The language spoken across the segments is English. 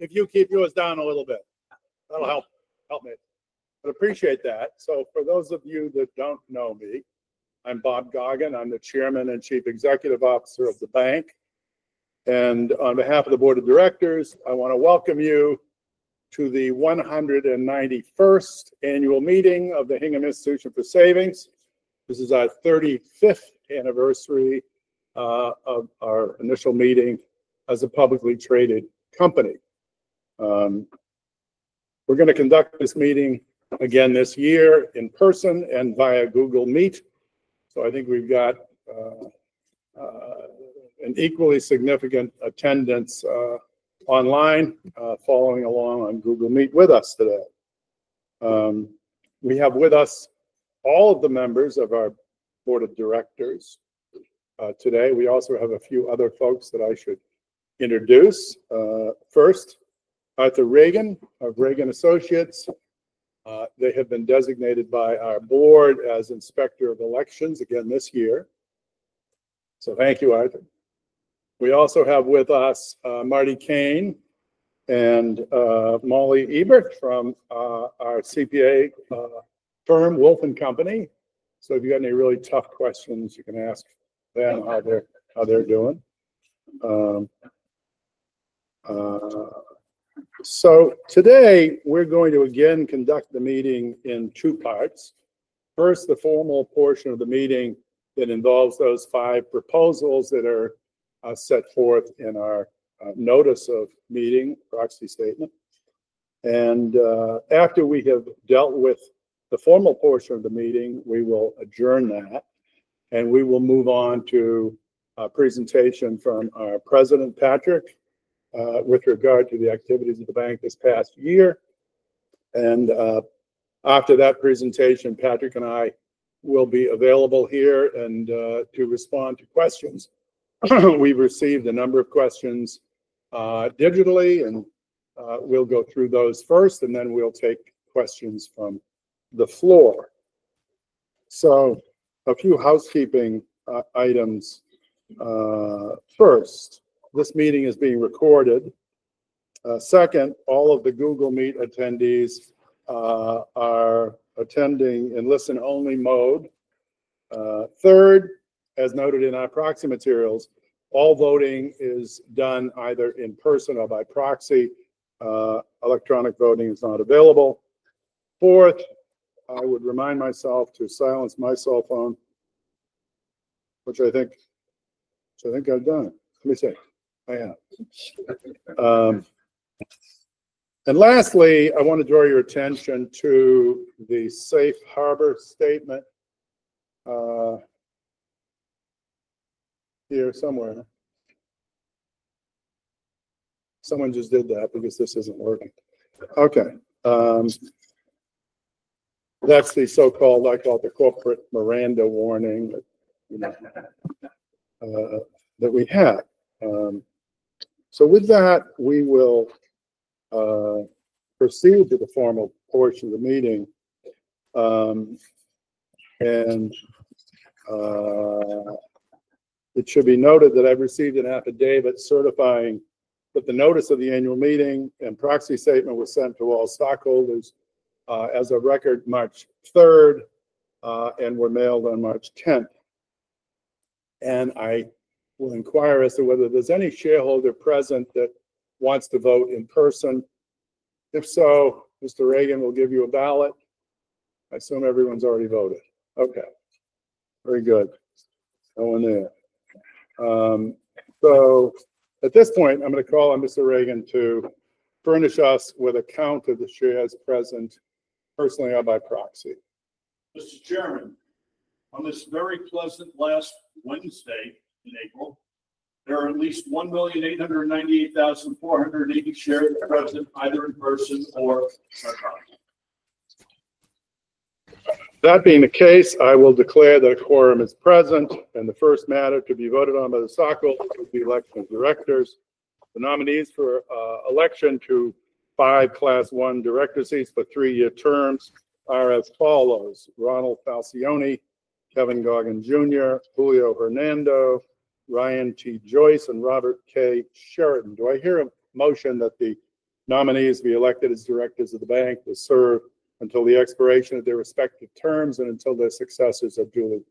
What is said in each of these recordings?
If you keep yours down a little bit, that'll help me. Appreciate that. For those of you that don't know me, I'm Bob Gaughen. I'm the Chairman and Chief Executive Officer of the bank. On behalf of the Board of Directors, I want to welcome you to the 191st Annual Meeting of the Hingham Institution for Savings. This is our 35th anniversary of our initial meeting as a publicly traded company. We're going to conduct this meeting again this year in person and via Google Meet. I think we've got an equally significant attendance online following along on Google Meet with us today. We have with us all of the members of our Board of Directors today. We also have a few other folks that I should introduce. First, Artie Regan of Regan Associates. They have been designated by our board as Inspector of Elections again this year. Thank you, Arthie We also have with us Marty Kane and Molly Ebert from our CPA firm, Wolf & Company. If you have any really tough questions, you can ask them how they're doing. Today, we're going to again conduct the meeting in two parts. First, the formal portion of the meeting that involves those five proposals that are set forth in our notice of meeting, proxy statement. After we have dealt with the formal portion of the meeting, we will adjourn that. We will move on to a presentation from our president, Patrick, with regard to the activities of the bank this past year. After that presentation, Patrick and I will be available here to respond to questions. We've received a number of questions digitally, and we'll go through those first, and then we'll take questions from the floor. A few housekeeping items. First, this meeting is being recorded. Second, all of the Google Meet attendees are attending in listen-only mode. Third, as noted in our proxy materials, all voting is done either in person or by proxy. Electronic voting is not available. Fourth, I would remind myself to silence my cell phone, which I think I've done. Let me see. I have. Lastly, I want to draw your attention to the Safe Harbor statement here somewhere. Someone just did that because this isn't working. That's the so-called, I call it the corporate Miranda warning that we have. With that, we will proceed to the formal portion of the meeting. It should be noted that I've received an affidavit certifying that the notice of the Annual Meeting and proxy statement was sent to all stockholders as of record March 3rd and were mailed on March 10th. I will inquire as to whether there's any shareholder present that wants to vote in person. If so, Mr. Regan will give you a ballot. I assume everyone's already voted. Okay. Very good. Going there. At this point, I'm going to call on Mr. Regan to furnish us with a count of the shares present personally or by proxy. Mr. Chairman, on this very pleasant last Wednesday in April, there are at least 1,898,480 shares present either in person or by proxy. That being the case, I will declare that the quorum is present and the first matter to be voted on by the stockholders is the election of directors. The nominees for election to five Class 1 director seats for three-year terms are as follows: Ronald Falcione, Kevin Gaughan Jr., Julio Hernando, Ryan T. Joyce, and Robert K. Sheridan. Do I hear a motion that the nominees be elected as directors of the bank to serve until the expiration of their respective terms and until their successors are duly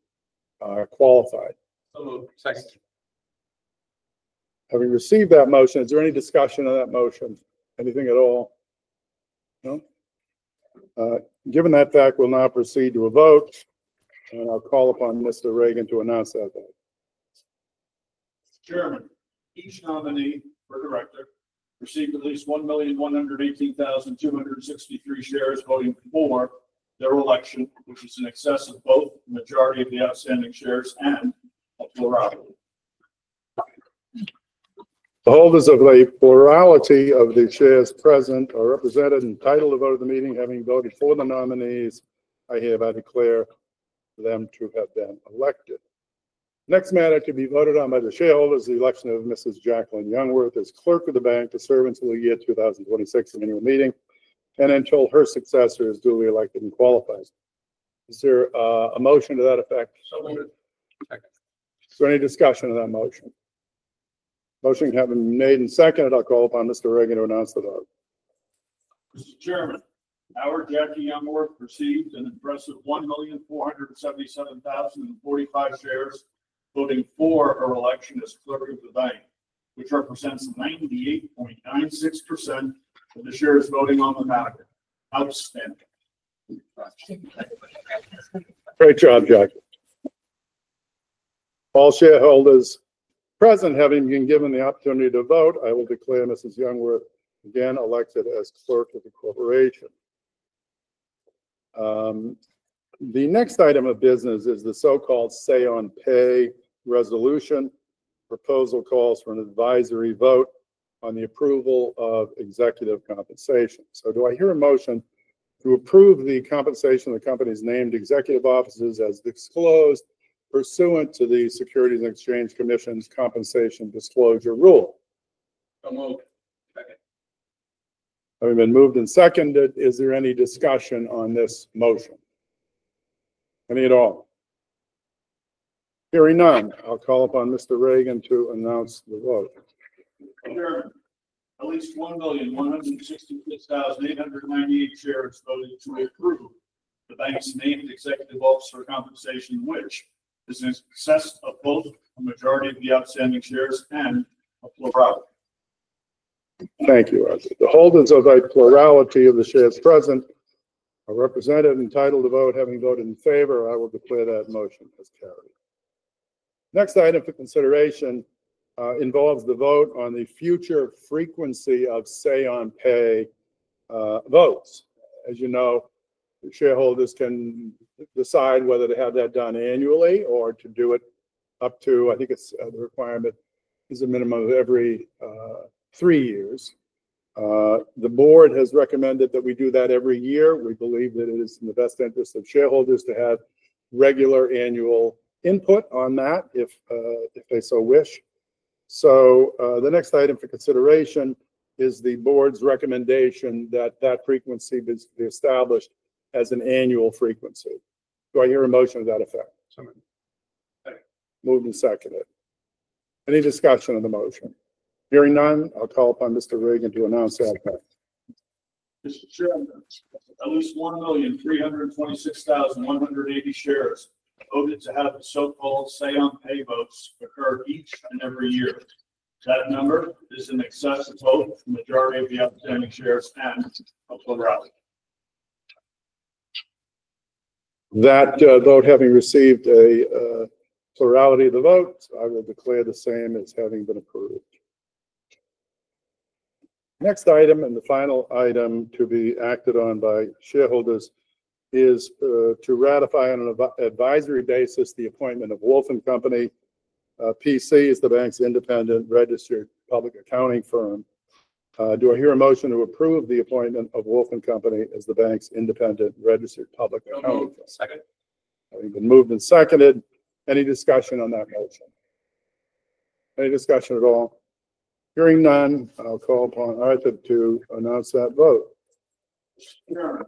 qualified? So moved. Second. Having received that motion, is there any discussion on that motion? Anything at all? No? Given that fact, we'll now proceed to a vote. I'll call upon Mr. Regan to announce that vote. Mr. Chairman, each nominee for director received at least 1,118,263 shares voting for their election, which is in excess of both the majority of the outstanding shares and a plurality. The holders of a plurality of the shares present are represented and entitled to vote at the meeting. Having voted for the nominees, I hereby declare them to have been elected. Next matter to be voted on by the shareholders is the election of Mrs. Jacqueline Youngworth as clerk of the bank to serve until the year 2026 in the Annual Meeting and until her successor is duly elected and qualifies. Is there a motion to that effect? So moved. Second. Is there any discussion on that motion? Motion can be made and seconded. I'll call upon Mr. Regan to announce the vote. Mr. Chairman, our Jackie Youngworth received an impressive 1,477,045 shares voting for her election as clerk of the bank, which represents 98.96% of the shares voting on the matter. Outstanding. Great job, Jackie. All shareholders present, having been given the opportunity to vote, I will declare Mrs. Youngworth again elected as Clerk of the corporation. The next item of business is the so-called say-on-pay resolution. The proposal calls for an advisory vote on the approval of executive compensation. Do I hear a motion to approve the compensation of the company's named executive officers as disclosed pursuant to the Securities and Exchange Commission's compensation disclosure rule? So moved. Second. Having been moved and seconded, is there any discussion on this motion? Any at all? Hearing none, I'll call upon Mr. Regan to announce the vote. Mr. Chairman, at least 1,166,898 shares voted to approve the bank's named executive officer compensation, which is in excess of both the majority of the outstanding shares and a plurality. Thank you, Arthie. The holders of a plurality of the shares present are represented and entitled to vote. Having voted in favor, I will declare that motion has carried. The next item for consideration involves the vote on the future frequency of say-on-pay votes. As you know, shareholders can decide whether to have that done annually or to do it up to, I think the requirement is a minimum of every three years. The board has recommended that we do that every year. We believe that it is in the best interest of shareholders to have regular annual input on that if they so wish. The next item for consideration is the board's recommendation that that frequency be established as an annual frequency. Do I hear a motion to that effect? So moved. Moved and seconded. Any discussion on the motion? Hearing none, I'll call upon Mr. Regan to announce that vote. Mr. Chairman, at least 1,326,180 shares voted to have the so-called say-on-pay votes occur each and every year. That number is in excess of both the majority of the outstanding shares and a plurality. That vote, having received a plurality of the vote, I will declare the same as having been approved. Next item and the final item to be acted on by shareholders is to ratify on an advisory basis the appointment of Wolf & Company as the bank's independent registered public accounting firm. Do I hear a motion to approve the appointment of Wolf & Company as the bank's independent registered public accounting firm? Second. Having been moved and seconded. Any discussion on that motion? Any discussion at all? Hearing none, I'll call upon Arthie to announce that vote. Mr. Chairman,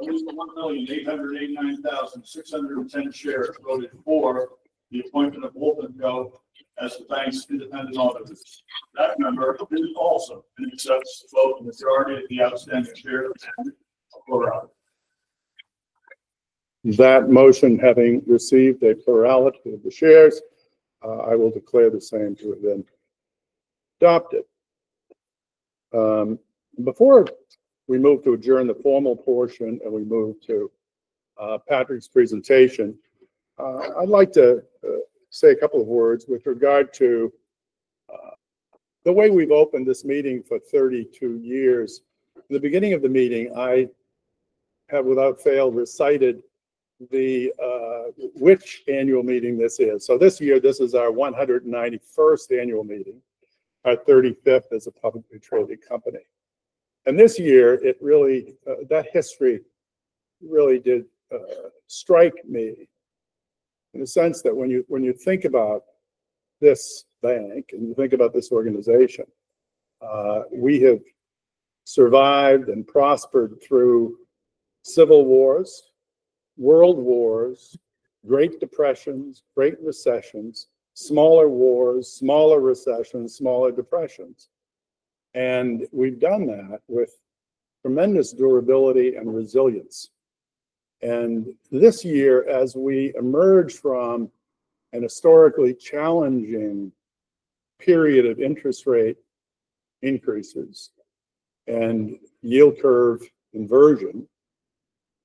at least 1,889,610 shares voted for the appointment of Wolf & Company as the bank's independent auditors. That number is also in excess of both the majority of the outstanding shares and a plurality. That motion, having received a plurality of the shares, I will declare the same to have been adopted. Before we move to adjourn the formal portion and we move to Patrick's presentation, I'd like to say a couple of words with regard to the way we've opened this meeting for 32 years. In the beginning of the meeting, I have, without fail, recited which Annual Meeting this is. This year, this is our 191st Annual Meeting, our 35th as a publicly traded company. This year, that history really did strike me in the sense that when you think about this bank and you think about this organization, we have survived and prospered through civil wars, world wars, great depressions, great recessions, smaller wars, smaller recessions, smaller depressions. We've done that with tremendous durability and resilience. This year, as we emerge from an historically challenging period of interest rate increases and yield curve inversion,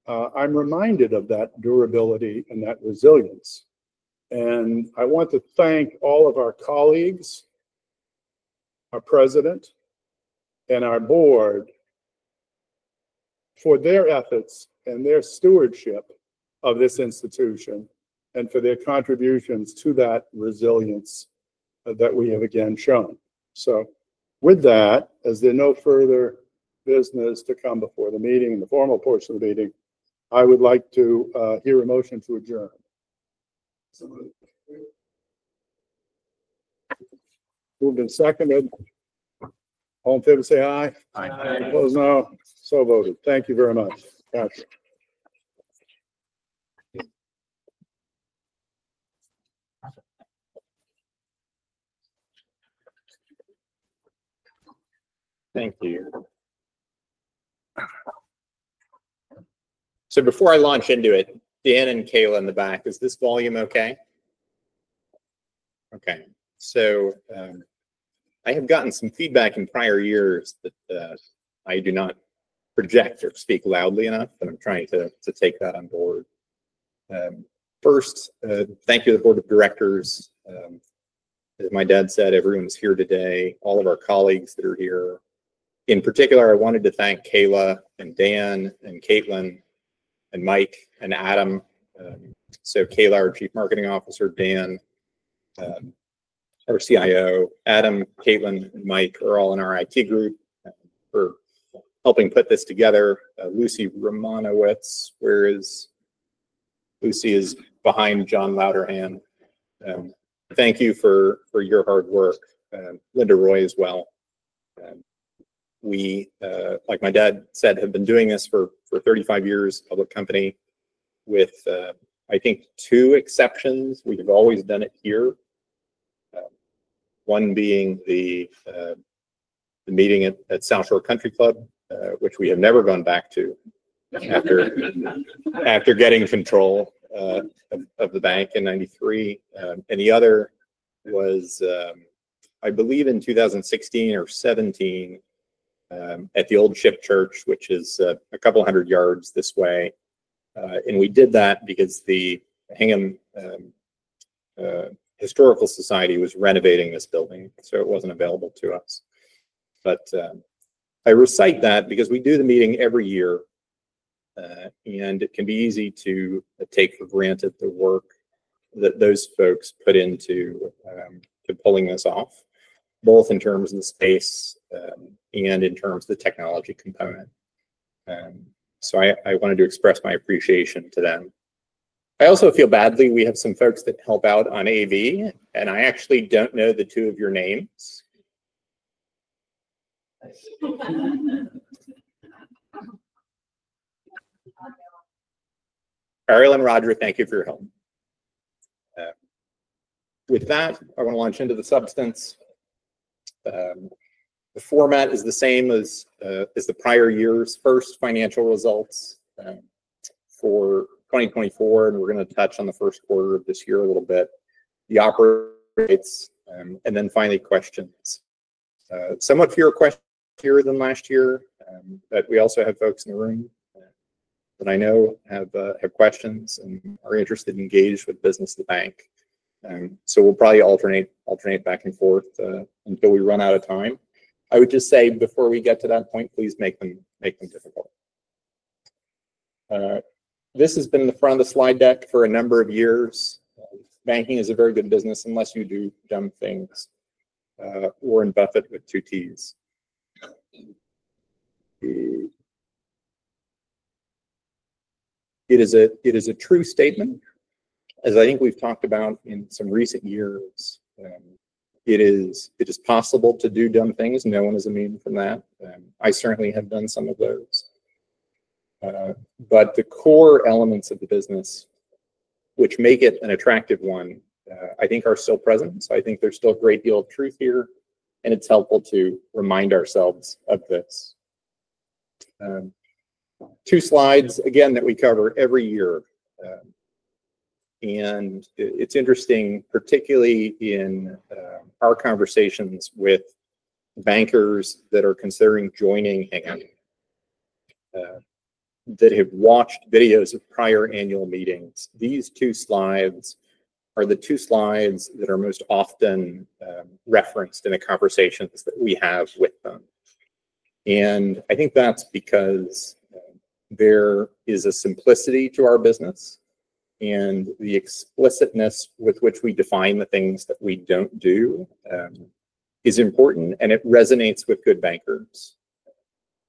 I'm reminded of that durability and that resilience. I want to thank all of our colleagues, our President, and our board for their efforts and their stewardship of this institution and for their contributions to that resilience that we have again shown. With that, as there is no further business to come before the meeting and the formal portion of the meeting, I would like to hear a motion to adjourn. So moved and seconded. All in favor say aye. Aye. Opposed no. So voted. Thank you very much, Patrick. Thank you. Before I launch into it, Dan and Kayla in the back, is this volume okay? I have gotten some feedback in prior years that I do not project or speak loudly enough, but I'm trying to take that on board. First, thank you to the board of directors. As my dad said, everyone is here today, all of our colleagues that are here. In particular, I wanted to thank Kayla and Dan and Caitlin and Mike and Adam. Kayla, our Chief Marketing Officer, Dan, our CIO. Adam, Caitlin, and Mike are all in our IT group for helping put this together. Lucy Romanowiz, where is Lucy, is behind John Louderhand. Thank you for your hard work. Linda Roy as well. We, like my dad said, have been doing this for 35 years, public company, with, I think, two exceptions. We have always done it here. One being the meeting at South Shore Country Club, which we have never gone back to after getting control of the bank in 1993. The other was, I believe, in 2016 or 2017 at the Old Ship Church, which is a couple hundred yards this way. We did that because the Hingham Historical Society was renovating this building, so it was not available to us. I recite that because we do the meeting every year, and it can be easy to take for granted the work that those folks put into pulling this off, both in terms of the space and in terms of the technology component. I wanted to express my appreciation to them. I also feel badly. We have some folks that help out on AV, and I actually do not know the two of your names. Ariel and Roger, thank you for your help. With that, I want to launch into the substance. The format is the same as the prior year's First Financial Results for 2024, and we're going to touch on the first quarter of this year a little bit, the operating rates, and then finally questions. Somewhat fewer questions here than last year, but we also have folks in the room that I know have questions and are interested and engaged with business of the bank. We'll probably alternate back and forth until we run out of time. I would just say, before we get to that point, please make them difficult. This has been the front of the slide deck for a number of years. Banking is a very good business unless you do dumb things. Warren Buffett with two Ts. It is a true statement, as I think we've talked about in some recent years. It is possible to do dumb things. No one is immune from that. I certainly have done some of those. The core elements of the business, which make it an attractive one, I think are still present. I think there is still a great deal of truth here, and it is helpful to remind ourselves of this. Two slides, again, that we cover every year. It is interesting, particularly in our conversations with bankers that are considering joining Hingham, that have watched videos of prior Annual Meetings. These two slides are the two slides that are most often referenced in the conversations that we have with them. I think that is because there is a simplicity to our business, and the explicitness with which we define the things that we do not do is important, and it resonates with good bankers.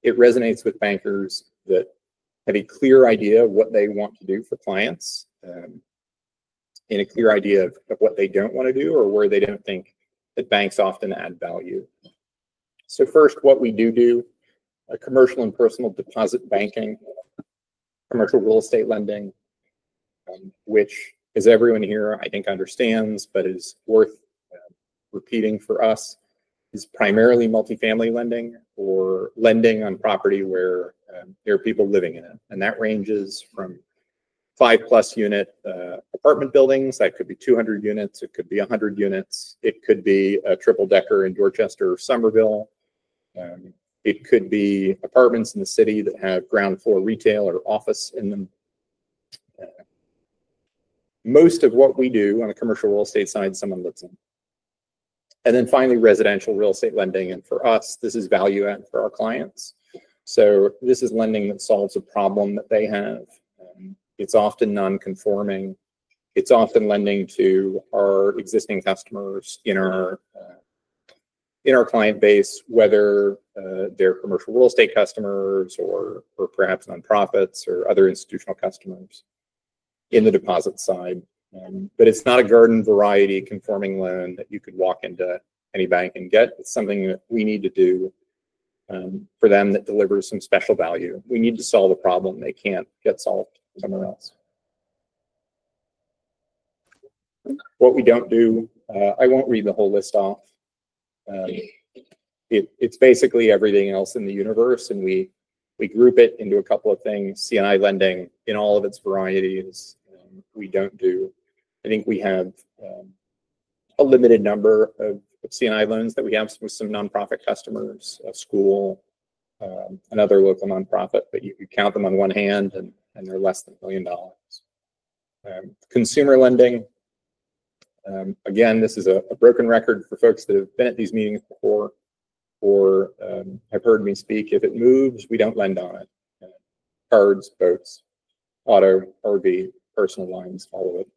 It resonates with bankers that have a clear idea of what they want to do for clients and a clear idea of what they do not want to do or where they do not think that banks often add value. First, what we do do, commercial and personal deposit banking, commercial real estate lending, which, as everyone here, I think, understands, but is worth repeating for us, is primarily multifamily lending or lending on property where there are people living in it. That ranges from five-plus-unit apartment buildings. That could be 200 units. It could be 100 units. It could be a triple-decker in Dorchester or Somerville. It could be apartments in the city that have ground-floor retail or office in them. Most of what we do on the commercial real estate side, someone lives in. Finally, residential real estate lending. For us, this is value-add for our clients. This is lending that solves a problem that they have. It's often non-conforming. It's often lending to our existing customers in our client base, whether they're commercial real estate customers or perhaps nonprofits or other institutional customers on the deposit side. It's not a garden-variety conforming loan that you could walk into any bank and get. It's something that we need to do for them that delivers some special value. We need to solve a problem they can't get solved somewhere else. What we don't do, I won't read the whole list off. It's basically everything else in the universe, and we group it into a couple of things. C&I lending in all of its varieties, we don't do. I think we have a limited number of C&I loans that we have with some nonprofit customers, a school, another local nonprofit, but you count them on one hand, and they're less than $1 million. Consumer lending, again, this is a broken record for folks that have been at these meetings before or have heard me speak. If it moves, we don't lend on it. Cards, boats, auto, RV, personal lines, all of it.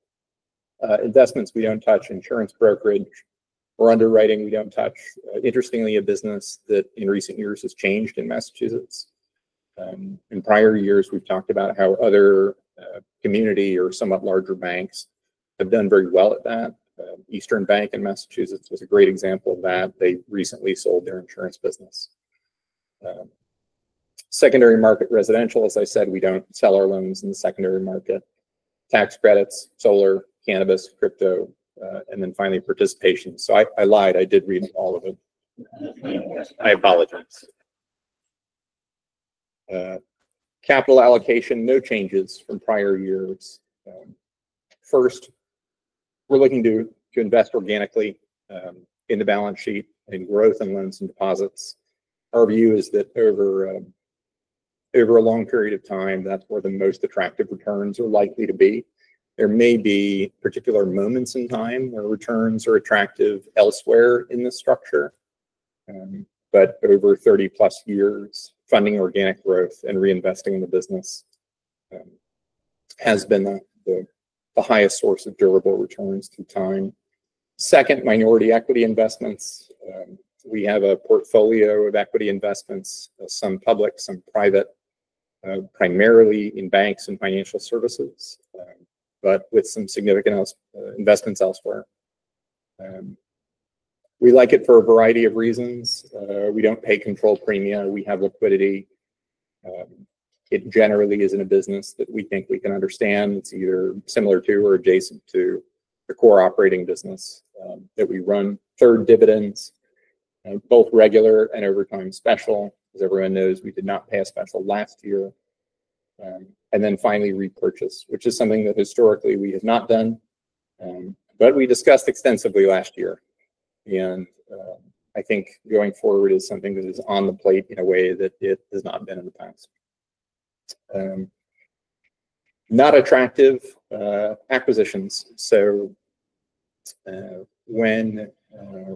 Investments, we don't touch. Insurance brokerage or underwriting, we don't touch. Interestingly, a business that in recent years has changed in Massachusetts. In prior years, we've talked about how other community or somewhat larger banks have done very well at that. Eastern Bank in Massachusetts was a great example of that. They recently sold their insurance business. Secondary market residential, as I said, we don't sell our loans in the secondary market. Tax credits, solar, cannabis, crypto, and then finally, participation. I lied. I did read all of it. I apologize. Capital allocation, no changes from prior years. First, we're looking to invest organically in the balance sheet in growth and loans and deposits. Our view is that over a long period of time, that's where the most attractive returns are likely to be. There may be particular moments in time where returns are attractive elsewhere in the structure. Over 30-plus years, funding organic growth and reinvesting in the business has been the highest source of durable returns through time. Second, minority equity investments. We have a portfolio of equity investments, some public, some private, primarily in banks and financial services, but with some significant investments elsewhere. We like it for a variety of reasons. We don't pay control premia. We have liquidity. It generally isn't a business that we think we can understand. It's either similar to or adjacent to the core operating business that we run. Third, dividends, both regular and over time special, as everyone knows. We did not pay a special last year. Finally, repurchase, which is something that historically we have not done, but we discussed extensively last year. I think going forward is something that is on the plate in a way that it has not been in the past. Not attractive acquisitions. When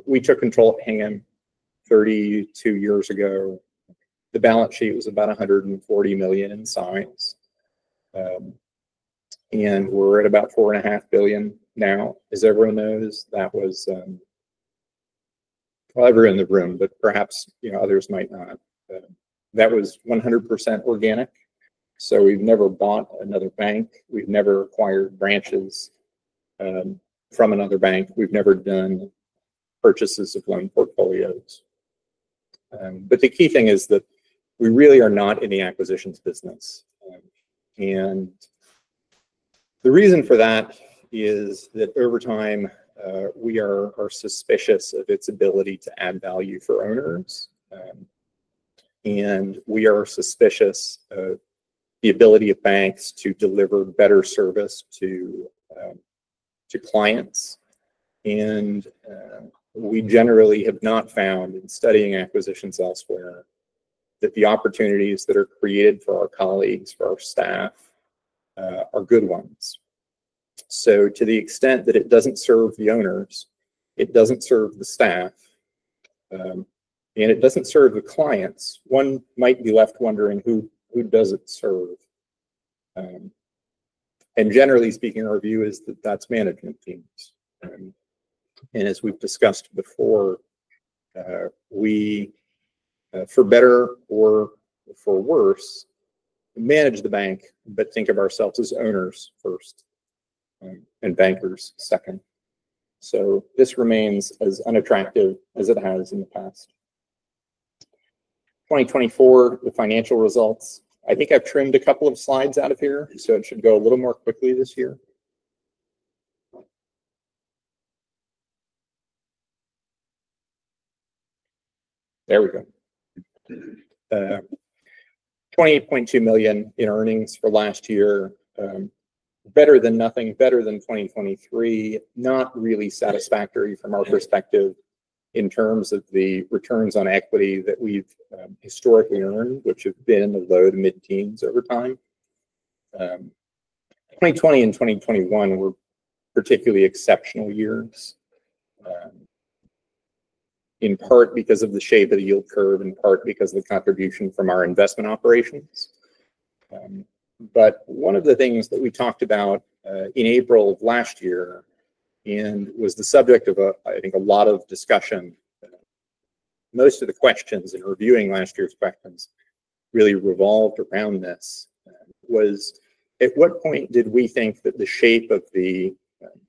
we took control of Hingham 32 years ago, the balance sheet was about $140 million in size. We're at about $4.5 billion now. As everyone knows, that was everyone in the room, but perhaps others might not. That was 100% organic. We've never bought another bank. We've never acquired branches from another bank. We've never done purchases of loan portfolios. The key thing is that we really are not in the acquisitions business. The reason for that is that over time, we are suspicious of its ability to add value for owners. We are suspicious of the ability of banks to deliver better service to clients. We generally have not found in studying acquisitions elsewhere that the opportunities that are created for our colleagues, for our staff, are good ones. To the extent that it does not serve the owners, it does not serve the staff, and it does not serve the clients, one might be left wondering who does it serve. Generally speaking, our view is that that's management teams. As we've discussed before, we, for better or for worse, manage the bank, but think of ourselves as owners first and bankers second. This remains as unattractive as it has in the past. 2024, the financial results. I think I've trimmed a couple of slides out of here, so it should go a little more quickly this year. There we go. $28.2 million in earnings for last year. Better than nothing. Better than 2023. Not really satisfactory from our perspective in terms of the returns on equity that we've historically earned, which have been in the low to mid-teens over time. 2020 and 2021 were particularly exceptional years, in part because of the shape of the yield curve, in part because of the contribution from our investment operations. One of the things that we talked about in April of last year and was the subject of, I think, a lot of discussion. Most of the questions in reviewing last year's questions really revolved around this was, at what point did we think that the shape of the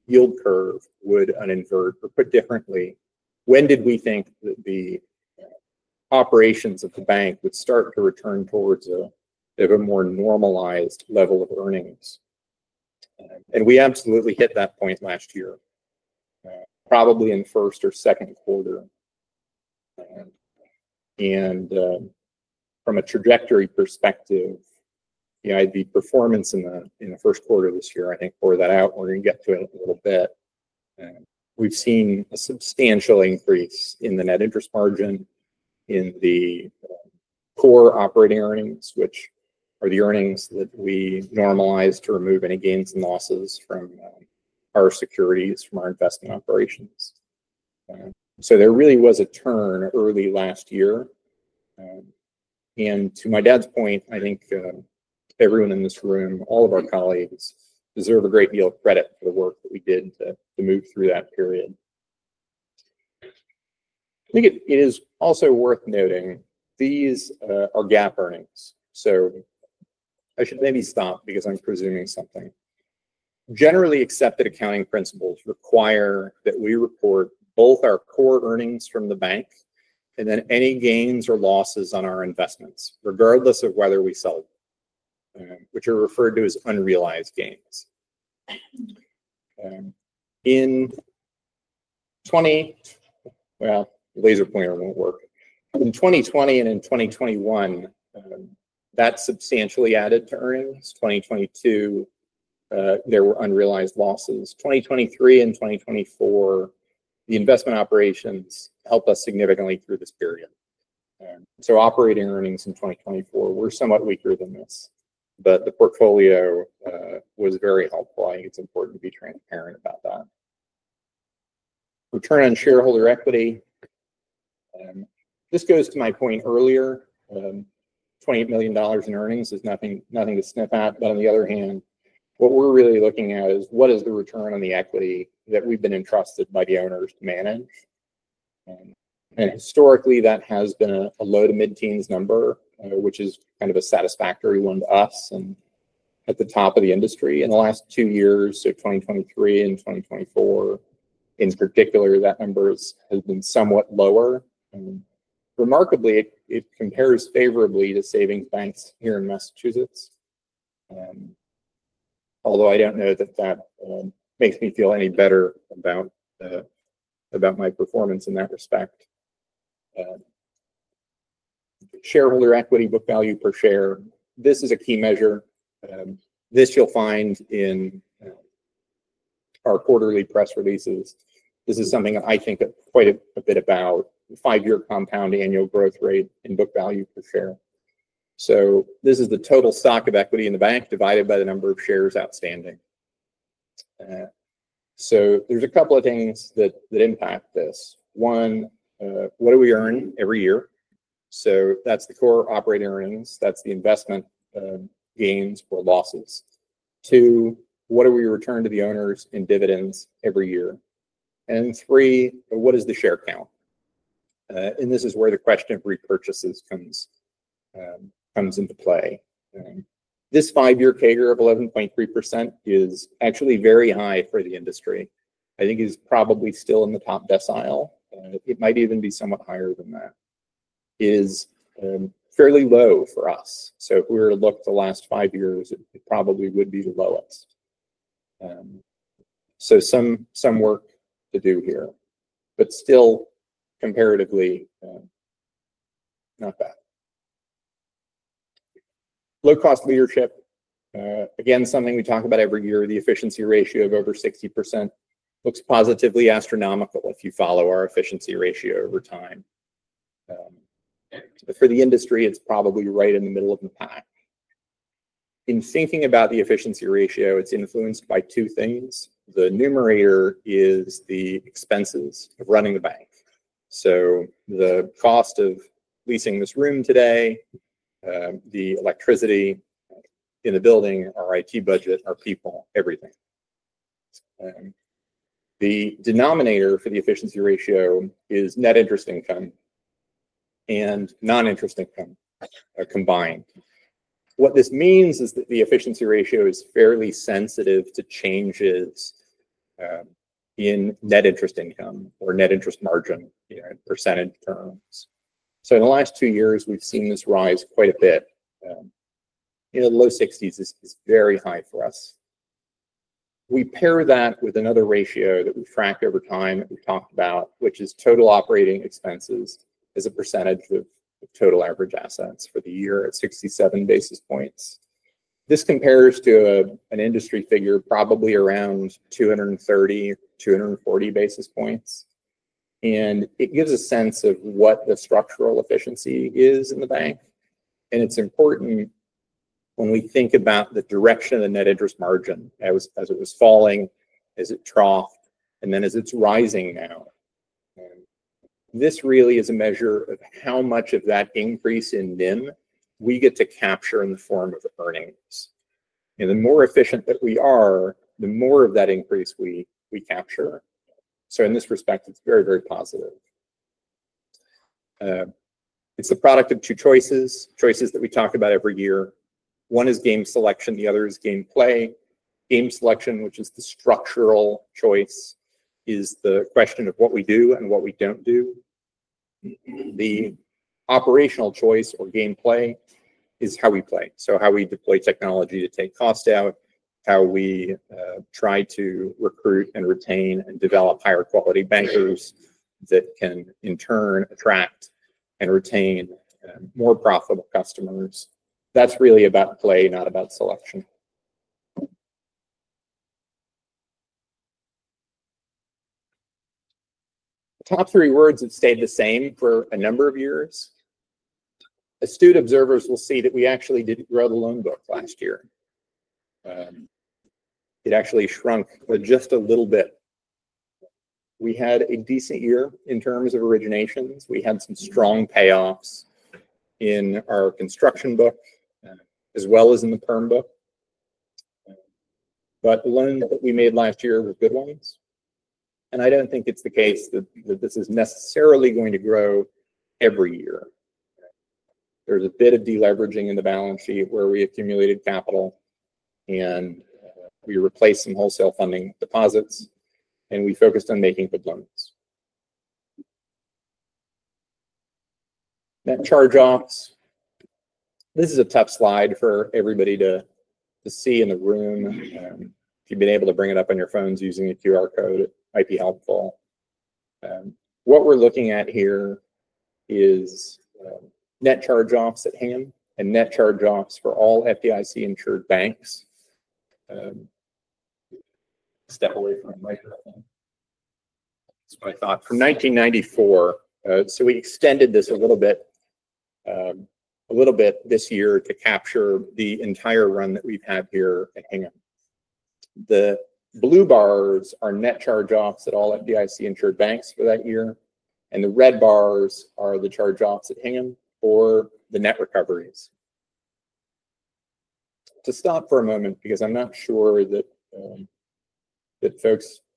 yield curve would uninvert or, put differently, when did we think that the operations of the bank would start to return towards a more normalized level of earnings? We absolutely hit that point last year, probably in the first or second quarter. From a trajectory perspective, the performance in the first quarter of this year, I think, for that out, we're going to get to it a little bit. We've seen a substantial increase in the net interest margin in the core operating earnings, which are the earnings that we normalized to remove any gains and losses from our securities, from our investment operations. There really was a turn early last year. To my dad's point, I think everyone in this room, all of our colleagues, deserve a great deal of credit for the work that we did to move through that period. I think it is also worth noting these are GAAP earnings. I should maybe stop because I'm presuming something. Generally accepted accounting principles require that we report both our core earnings from the bank and then any gains or losses on our investments, regardless of whether we sell them, which are referred to as unrealized gains. In 2020 and in 2021, that substantially added to earnings. In 2022, there were unrealized losses. In 2023 and 2024, the investment operations helped us significantly through this period. Operating earnings in 2024 were somewhat weaker than this, but the portfolio was very helpful. I think it's important to be transparent about that. Return on shareholder equity. This goes to my point earlier. $28 million in earnings is nothing to sniff at. On the other hand, what we're really looking at is what is the return on the equity that we've been entrusted by the owners to manage? Historically, that has been a low to mid-teens number, which is kind of a satisfactory one to us and at the top of the industry in the last two years. In 2023 and 2024, in particular, that number has been somewhat lower. Remarkably, it compares favorably to savings banks here in Massachusetts. Although I don't know that that makes me feel any better about my performance in that respect. Shareholder equity, book value per share. This is a key measure. This you'll find in our quarterly press releases. This is something that I think quite a bit about: five-year compound annual growth rate and book value per share. This is the total stock of equity in the bank divided by the number of shares outstanding. There are a couple of things that impact this. One, what do we earn every year? That is the core operating earnings. That is the investment gains or losses. Two, what do we return to the owners in dividends every year? Three, what is the share count? This is where the question of repurchases comes into play. This five-year CAGR of 11.3% is actually very high for the industry. I think it is probably still in the top decile. It might even be somewhat higher than that. It is fairly low for us. If we were to look at the last five years, it probably would be the lowest. Some work to do here, but still comparatively not bad. Low-cost leadership. Again, something we talk about every year, the efficiency ratio of over 60% looks positively astronomical if you follow our efficiency ratio over time. For the industry, it's probably right in the middle of the pack. In thinking about the efficiency ratio, it's influenced by two things. The numerator is the expenses of running the bank. The cost of leasing this room today, the electricity in the building, our IT budget, our people, everything. The denominator for the efficiency ratio is net interest income and non-interest income combined. What this means is that the efficiency ratio is fairly sensitive to changes in net interest income or net interest margin in percentage terms. In the last two years, we've seen this rise quite a bit. In the low 60s is very high for us. We pair that with another ratio that we've tracked over time that we've talked about, which is total operating expenses as a percentage of total average assets for the year at 67 basis points. This compares to an industry figure probably around 230-240 basis points. It gives a sense of what the structural efficiency is in the bank. It is important when we think about the direction of the net interest margin as it was falling, as it troughed, and then as it's rising now. This really is a measure of how much of that increase in NIM we get to capture in the form of earnings. The more efficient that we are, the more of that increase we capture. In this respect, it's very, very positive. It's the product of two choices, choices that we talk about every year. One is game selection. The other is game play. Game selection, which is the structural choice, is the question of what we do and what we do not do. The operational choice or game play is how we play. How we deploy technology to take cost out, how we try to recruit and retain and develop higher quality bankers that can, in turn, attract and retain more profitable customers. That is really about play, not about selection. Top three words have stayed the same for a number of years. Astute observers will see that we actually did not grow the loan book last year. It actually shrunk just a little bit. We had a decent year in terms of originations. We had some strong payoffs in our construction book as well as in the perm book. The loans that we made last year were good ones. I don't think it's the case that this is necessarily going to grow every year. There's a bit of deleveraging in the balance sheet where we accumulated capital and we replaced some wholesale funding deposits, and we focused on making good loans. Net charge-offs. This is a tough slide for everybody to see in the room. If you've been able to bring it up on your phones using a QR code, it might be helpful. What we're looking at here is net charge-offs at hand and net charge-offs for all FDIC insured banks. Step away from the microphone. That's what I thought. From 1994. We extended this a little bit this year to capture the entire run that we've had here at Hingham. The blue bars are net charge-offs at all FDIC insured banks for that year. The red bars are the charge-offs at Hingham for the net recoveries. To stop for a moment because I'm not sure that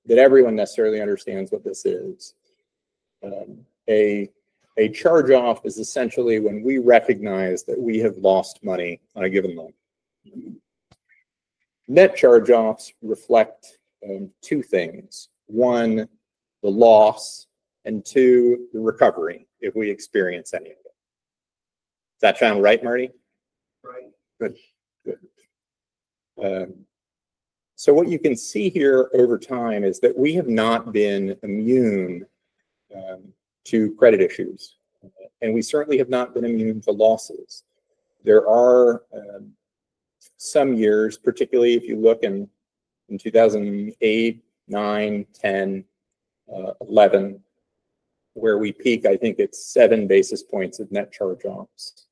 everyone necessarily understands what this is. A charge-off is essentially when we recognize that we have lost money on a given loan. Net charge-offs reflect two things. One, the loss, and two, the recovery if we experience any of it. Is that sound right, Marty? Right. Good. Good. What you can see here over time is that we have not been immune to credit issues. We certainly have not been immune to losses. There are some years, particularly if you look in 2008, 2009, 2010, 2011, where we peak, I think it's seven basis points of net charge-offs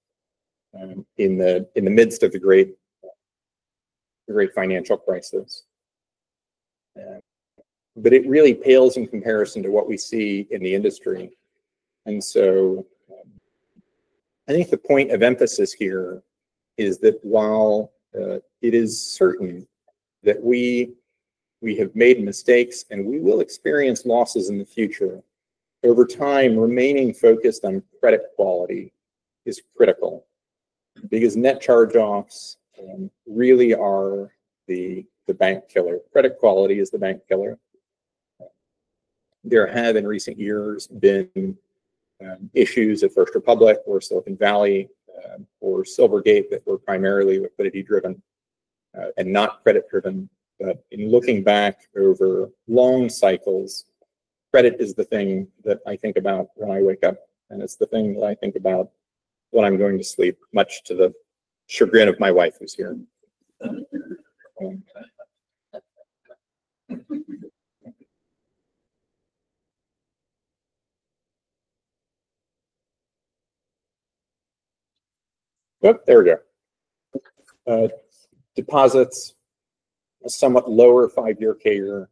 in the midst of the great financial crisis. It really pales in comparison to what we see in the industry. I think the point of emphasis here is that while it is certain that we have made mistakes and we will experience losses in the future, over time, remaining focused on credit quality is critical because net charge-offs really are the bank killer. Credit quality is the bank killer. There have in recent years been issues at First Republic or Silicon Valley or Silvergate that were primarily liquidity-driven and not credit-driven. In looking back over long cycles, credit is the thing that I think about when I wake up. It is the thing that I think about when I'm going to sleep, much to the chagrin of my wife who's here. There we go. Deposits, a somewhat lower five-year CAGR.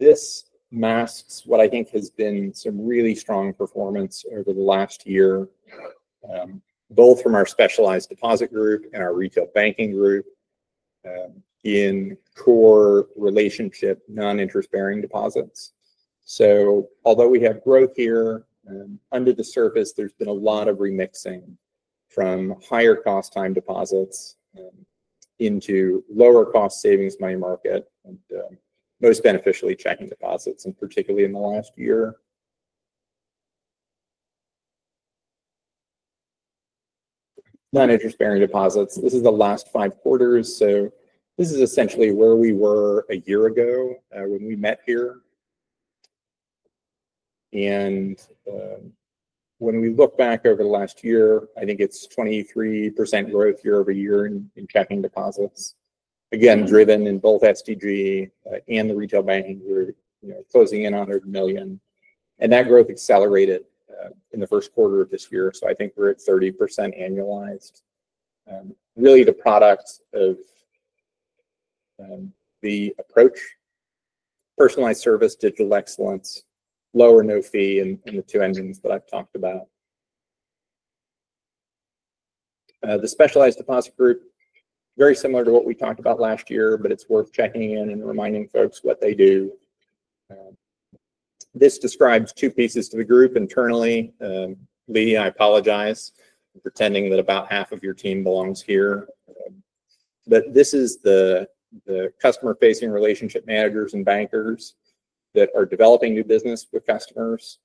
This masks what I think has been some really strong performance over the last year, both from our specialized deposit group and our retail banking group in core relationship non-interest-bearing deposits. Although we have growth here, under the surface, there's been a lot of remixing from higher cost time deposits into lower cost savings, money market, and most beneficially, checking deposits, and particularly in the last year, non-interest-bearing deposits. This is the last five quarters. This is essentially where we were a year ago when we met here. When we look back over the last year, I think it's 23% growth year over year in checking deposits. Again, driven in both SDG and the retail banking group, closing in on a million. That growth accelerated in the first quarter of this year. I think we're at 30% annualized. Really, the product of the approach, personalized service, digital excellence, low or no fee in the two engines that I've talked about. The specialized deposit group, very similar to what we talked about last year, but it's worth checking in and reminding folks what they do. This describes two pieces to the group internally. Lee, I apologize for pretending that about half of your team belongs here. This is the customer-facing relationship managers and bankers that are developing new business with customers,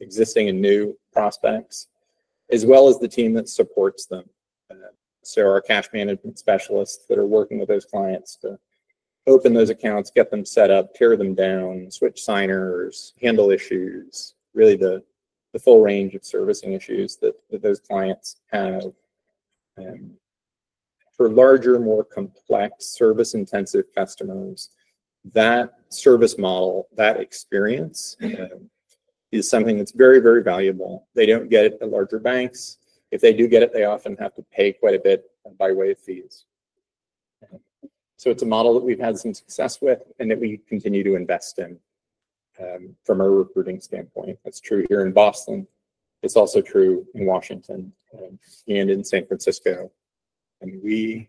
existing and new prospects, as well as the team that supports them. Our cash management specialists are working with those clients to open those accounts, get them set up, tear them down, switch signers, handle issues, really the full range of servicing issues that those clients have. For larger, more complex service-intensive customers, that service model, that experience is something that's very, very valuable. They do not get it at larger banks. If they do get it, they often have to pay quite a bit by way of fees. It is a model that we have had some success with and that we continue to invest in from a recruiting standpoint. That is true here in Boston. It is also true in Washington and in San Francisco. We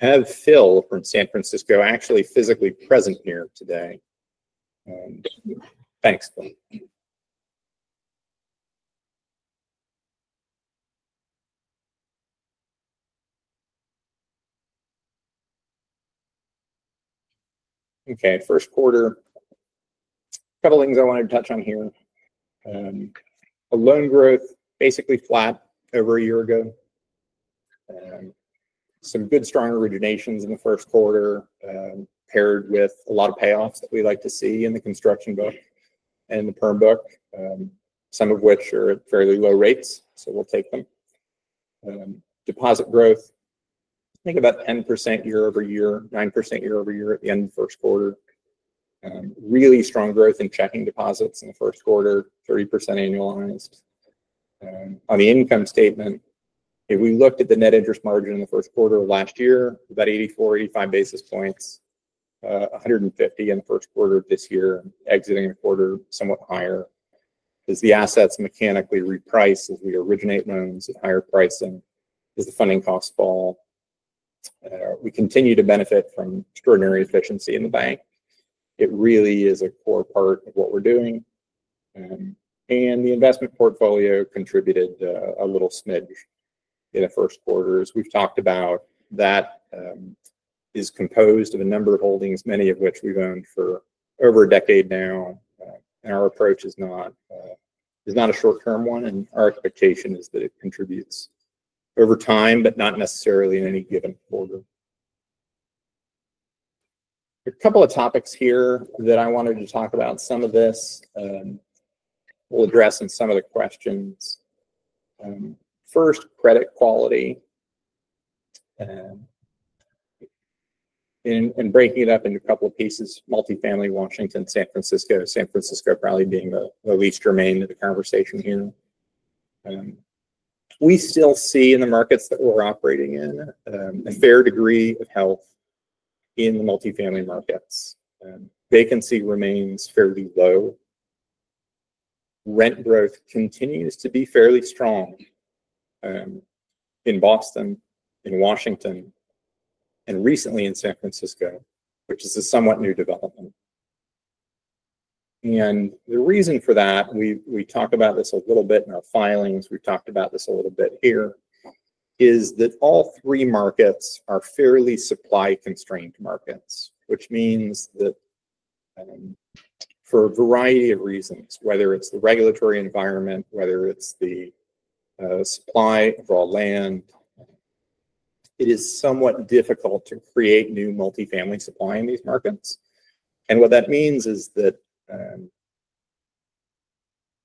have Phil from San Francisco actually physically present here today. Thanks, Phil. Okay, first quarter. A couple of things I wanted to touch on here. Loan growth basically flat over a year ago. Some good strong originations in the first quarter paired with a lot of payoffs that we like to see in the construction book and the perm book, some of which are at fairly low rates, so we will take them. Deposit growth, I think about 10% year over year, 9% year over year at the end of the first quarter. Really strong growth in checking deposits in the first quarter, 30% annualized. On the income statement, if we looked at the net interest margin in the first quarter of last year, about 84, 85 basis points, 150 in the first quarter of this year, exiting a quarter somewhat higher. As the assets mechanically reprice as we originate loans at higher pricing, does the funding cost fall? We continue to benefit from extraordinary efficiency in the bank. It really is a core part of what we're doing. The investment portfolio contributed a little smidge in the first quarters. We've talked about that is composed of a number of holdings, many of which we've owned for over a decade now. Our approach is not a short-term one. Our expectation is that it contributes over time, but not necessarily in any given order. A couple of topics here that I wanted to talk about, some of this we'll address in some of the questions. First, credit quality. Breaking it up into a couple of pieces, multifamily Washington, San Francisco, San Francisco probably being the least germane to the conversation here. We still see in the markets that we're operating in a fair degree of health in the multifamily markets. Vacancy remains fairly low. Rent growth continues to be fairly strong in Boston, in Washington, and recently in San Francisco, which is a somewhat new development. The reason for that, we talk about this a little bit in our filings. We've talked about this a little bit here, is that all three markets are fairly supply-constrained markets, which means that for a variety of reasons, whether it's the regulatory environment, whether it's the supply of all land, it is somewhat difficult to create new multifamily supply in these markets. What that means is that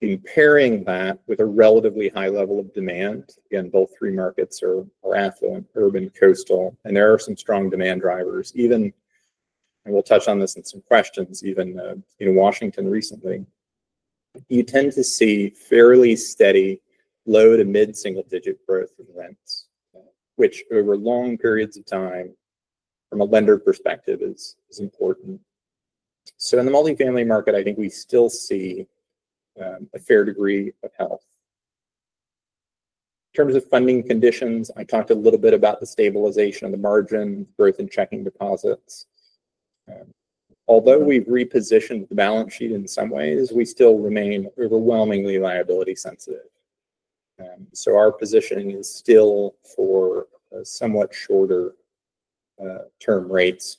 in pairing that with a relatively high level of demand, again, both three markets are affluent, urban, coastal. There are some strong demand drivers, even, and we'll touch on this in some questions, even in Washington recently. You tend to see fairly steady low to mid-single-digit growth in rents, which over long periods of time from a lender perspective is important. In the multifamily market, I think we still see a fair degree of health. In terms of funding conditions, I talked a little bit about the stabilization of the margin, growth in checking deposits. Although we've repositioned the balance sheet in some ways, we still remain overwhelmingly liability-sensitive. Our position is still for somewhat shorter-term rates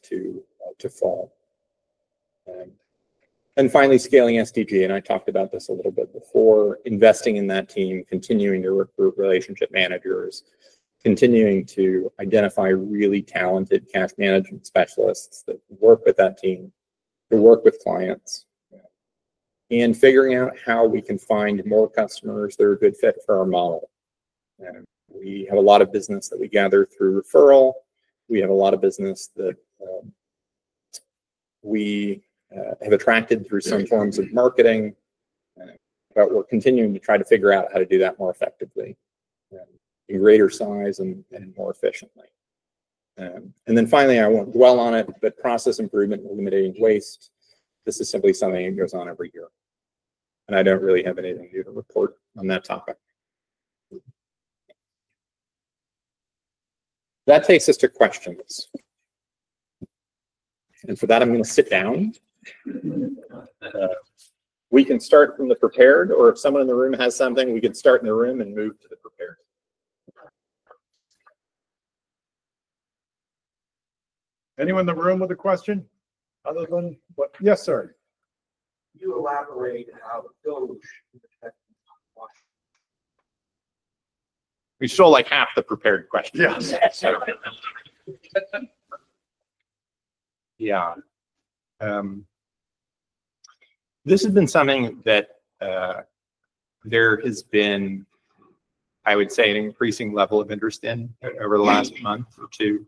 to fall. Finally, scaling SDG, and I talked about this a little bit before, investing in that team, continuing to recruit relationship managers, continuing to identify really talented cash management specialists that work with that team to work with clients, and figuring out how we can find more customers that are a good fit for our model. We have a lot of business that we gather through referral. We have a lot of business that we have attracted through some forms of marketing. We're continuing to try to figure out how to do that more effectively in greater size and more efficiently. Finally, I will not dwell on it, but process improvement, eliminating waste. This is simply something that goes on every year. I do not really have anything new to report on that topic. That takes us to questions. For that, I am going to sit down. We can start from the prepared, or if someone in the room has something, we can start in the room and move to the prepared. Anyone in the room with a question other than what? Yes, sir. You elaborate how the coach in Washington. We still have half the prepared questions. This has been something that there has been, I would say, an increasing level of interest in over the last month or two.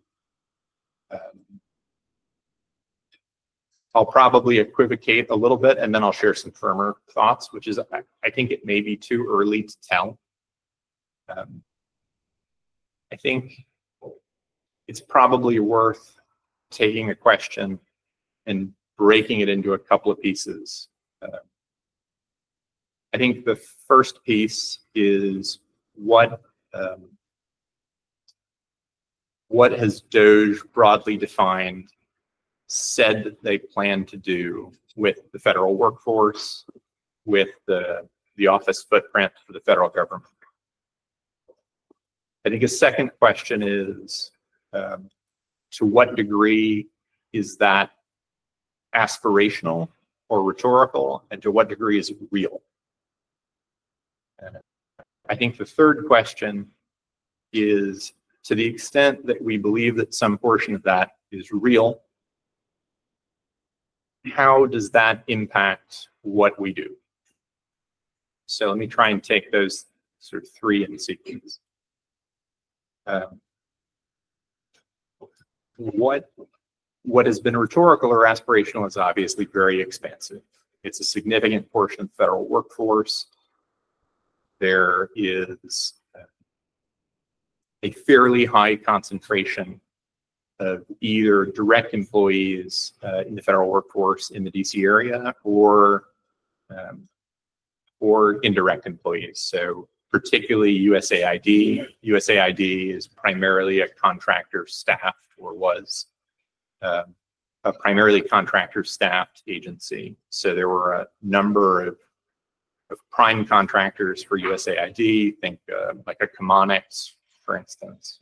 I will probably equivocate a little bit, and then I will share some firmer thoughts, which is I think it may be too early to tell. I think it's probably worth taking a question and breaking it into a couple of pieces. I think the first piece is what has GSA broadly defined said that they plan to do with the federal workforce, with the office footprint for the federal government. I think a second question is to what degree is that aspirational or rhetorical, and to what degree is it real? I think the third question is to the extent that we believe that some portion of that is real, how does that impact what we do? Let me try and take those sort of three in sequence. What has been rhetorical or aspirational is obviously very expansive. It's a significant portion of the federal workforce. There is a fairly high concentration of either direct employees in the federal workforce in the DC area or indirect employees. Particularly USAID. USAID is primarily a contractor-staffed or was a primarily contractor-staffed agency. There were a number of prime contractors for USAID, think like a CommonX, for instance.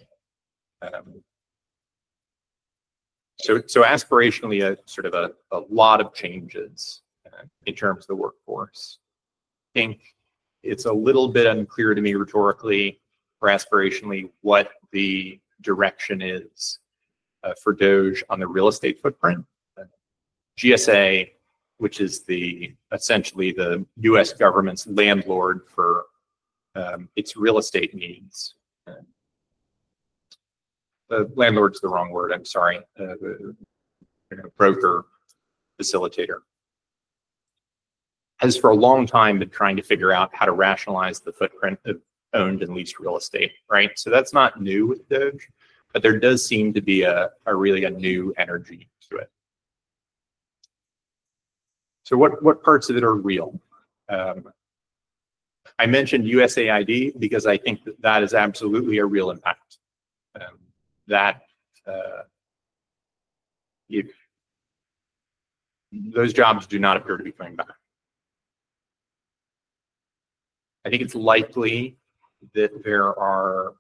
Aspirationally, sort of a lot of changes in terms of the workforce. I think it's a little bit unclear to me rhetorically or aspirationally what the direction is for DOGE on the real estate footprint. GSA, which is essentially the U.S. government's landlord for its real estate needs. Landlord is the wrong word. I'm sorry. Broker, facilitator. Has for a long time been trying to figure out how to rationalize the footprint of owned and leased real estate, right? That's not new with DOGE, but there does seem to be really a new energy to it. What parts of it are real? I mentioned USAID because I think that that is absolutely a real impact. Those jobs do not appear to be coming back. I think it's likely that there are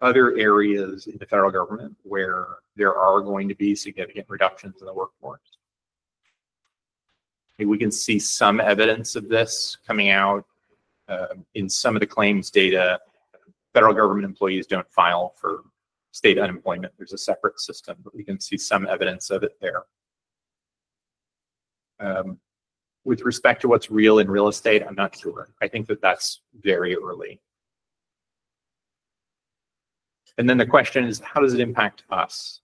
other areas in the federal government where there are going to be significant reductions in the workforce. We can see some evidence of this coming out in some of the claims data. Federal government employees do not file for state unemployment. There is a separate system, but we can see some evidence of it there. With respect to what is real in real estate, I'm not sure. I think that is very early. The question is, how does it impact us?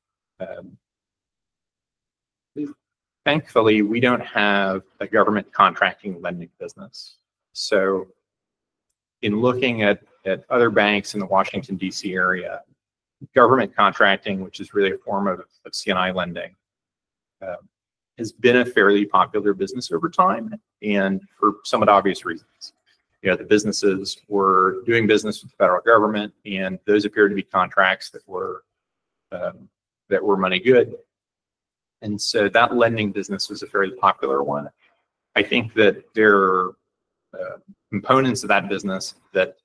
Thankfully, we do not have a government contracting lending business. In looking at other banks in the Washington, DC area, government contracting, which is really a form of C&I lending, has been a fairly popular business over time and for somewhat obvious reasons. The businesses were doing business with the federal government, and those appear to be contracts that were money good. That lending business was a fairly popular one. I think that there are components of that business that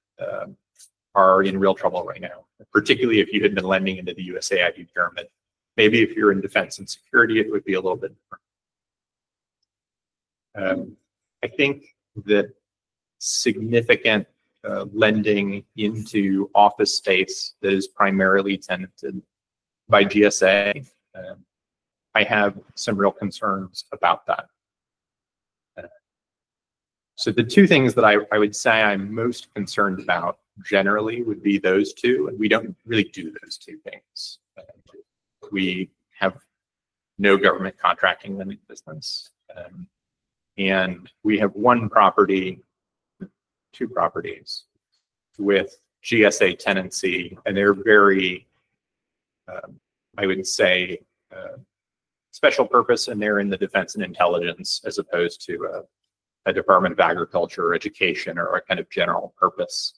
are in real trouble right now, particularly if you had been lending into the USAID pyramid. Maybe if you're in defense and security, it would be a little bit different. I think that significant lending into office space that is primarily tenanted by GSA, I have some real concerns about that. The two things that I would say I'm most concerned about generally would be those two. We don't really do those two things. We have no government contracting lending business. We have one property, two properties with GSA tenancy, and they're very, I would say, special purpose, and they're in the defense and intelligence as opposed to a Department of Agriculture or education or a kind of general purpose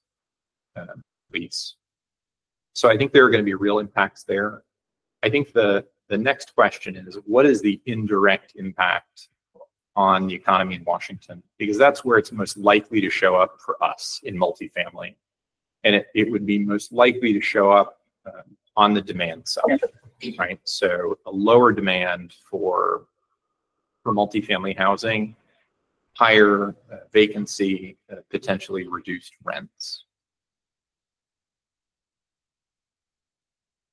lease. I think there are going to be real impacts there. I think the next question is, what is the indirect impact on the economy in Washington? Because that's where it's most likely to show up for us in multifamily. It would be most likely to show up on the demand side, right? A lower demand for multifamily housing, higher vacancy, potentially reduced rents.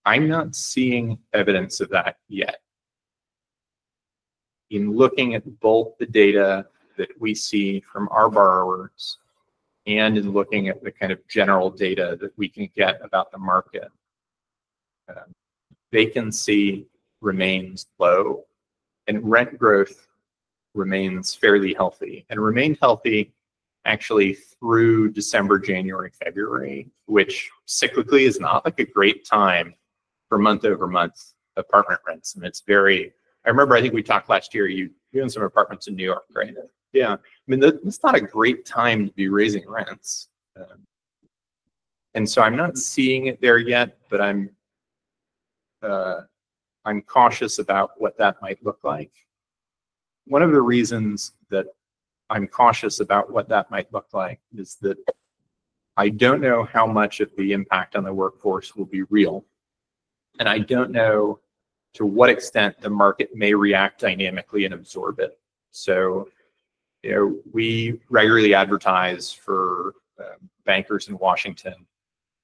I'm not seeing evidence of that yet. In looking at both the data that we see from our borrowers and in looking at the kind of general data that we can get about the market, vacancy remains low, and rent growth remains fairly healthy. It remained healthy actually through December, January, February, which cyclically is not a great time for month-over-month apartment rents. It is very—I remember I think we talked last year, you own some apartments in New York, right? Yeah. I mean, that is not a great time to be raising rents. I am not seeing it there yet, but I am cautious about what that might look like. One of the reasons that I am cautious about what that might look like is that I do not know how much of the impact on the workforce will be real. I do not know to what extent the market may react dynamically and absorb it. We regularly advertise for bankers in Washington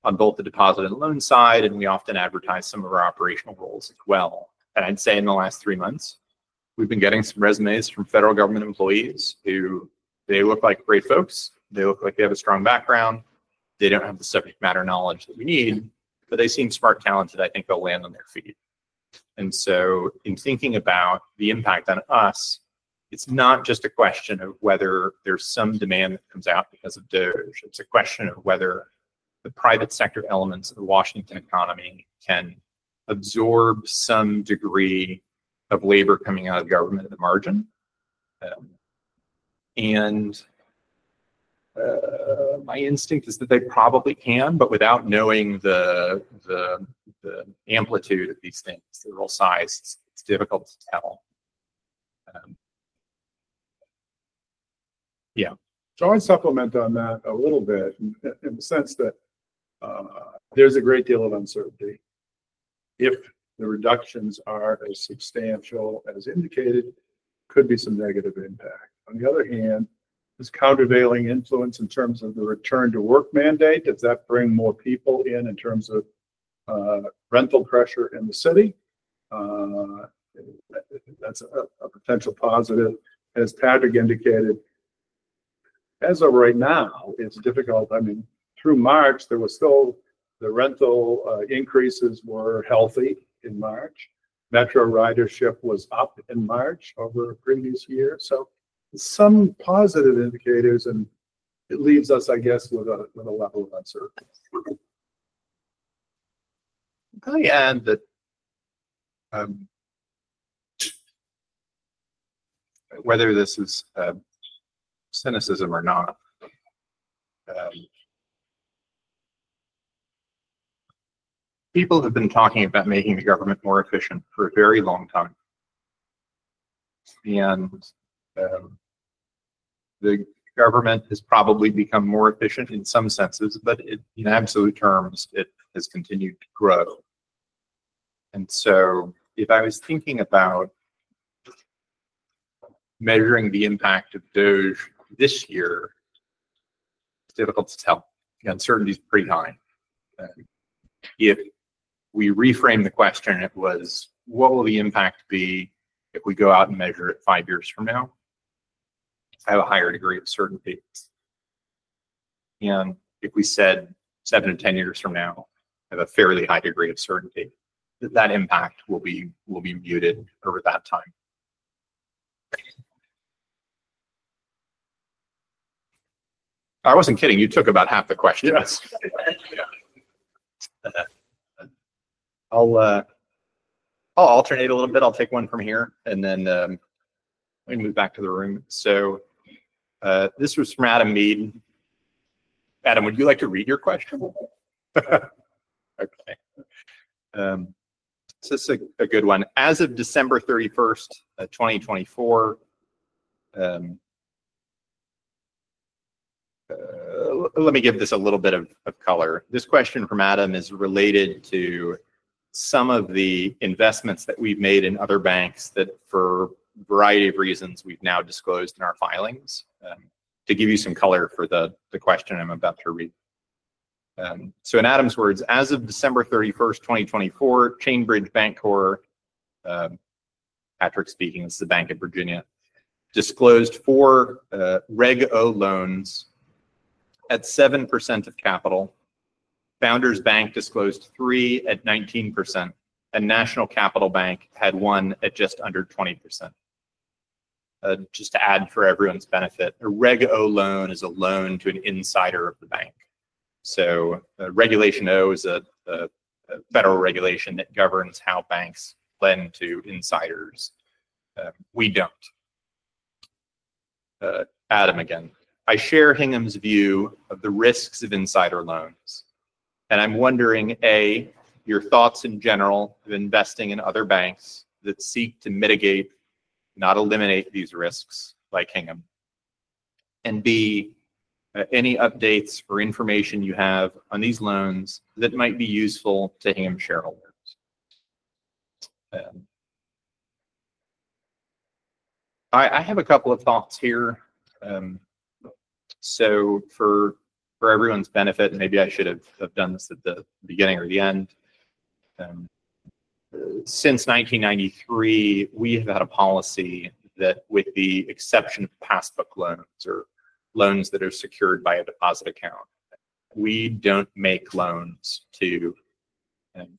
on both the deposit and loan side, and we often advertise some of our operational roles as well. I'd say in the last three months, we've been getting some resumes from federal government employees who look like great folks. They look like they have a strong background. They don't have the subject matter knowledge that we need, but they seem smart, talented. I think they'll land on their feet. In thinking about the impact on us, it's not just a question of whether there's some demand that comes out because of DOGE. It's a question of whether the private sector elements of the Washington economy can absorb some degree of labor coming out of government at the margin. My instinct is that they probably can, but without knowing the amplitude of these things, the real size, it's difficult to tell. Yeah. I supplement on that a little bit in the sense that there's a great deal of uncertainty. If the reductions are as substantial as indicated, it could be some negative impact. On the other hand, this countervailing influence in terms of the return-to-work mandate, does that bring more people in terms of rental pressure in the city? That's a potential positive. As Patrick indicated, as of right now, it's difficult. I mean, through March, there was still the rental increases were healthy in March. Metro ridership was up in March over a previous year. Some positive indicators, and it leaves us, I guess, with a level of uncertainty. I'll probably add that whether this is cynicism or not, people have been talking about making the government more efficient for a very long time. The government has probably become more efficient in some senses, but in absolute terms, it has continued to grow. If I was thinking about measuring the impact of DOGE this year, it's difficult to tell. The uncertainty is pretty high. If we reframe the question, it was, what will the impact be if we go out and measure it five years from now? I have a higher degree of certainty. If we said seven to ten years from now, I have a fairly high degree of certainty that that impact will be muted over that time. I wasn't kidding. You took about half the questions. I'll alternate a little bit. I'll take one from here, and then we move back to the room. This was from Adam Mead. Adam, would you like to read your question? Okay. This is a good one. As of December 31, 2024, let me give this a little bit of color. This question from Adam is related to some of the investments that we've made in other banks that, for a variety of reasons, we've now disclosed in our filings. To give you some color for the question, I'm about to read. In Adam's words, as of December 31, 2024, ChainBridge Bancorp, Patrick speaking, this is the Bank of Virginia, disclosed four Reg O loans at 7% of capital. Founders Bank disclosed three at 19%, and National Capital Bank had one at just under 20%. Just to add for everyone's benefit, a Reg O loan is a loan to an insider of the bank. Regulation O is a federal regulation that governs how banks lend to insiders. We do not. Adam again. I share Hingham's view of the risks of insider loans. I am wondering, A, your thoughts in general of investing in other banks that seek to mitigate, not eliminate these risks like Hingham. B, any updates or information you have on these loans that might be useful to Hingham shareholders. I have a couple of thoughts here. For everyone's benefit, maybe I should have done this at the beginning or the end. Since 1993, we have had a policy that, with the exception of passbook loans or loans that are secured by a deposit account, we don't make loans to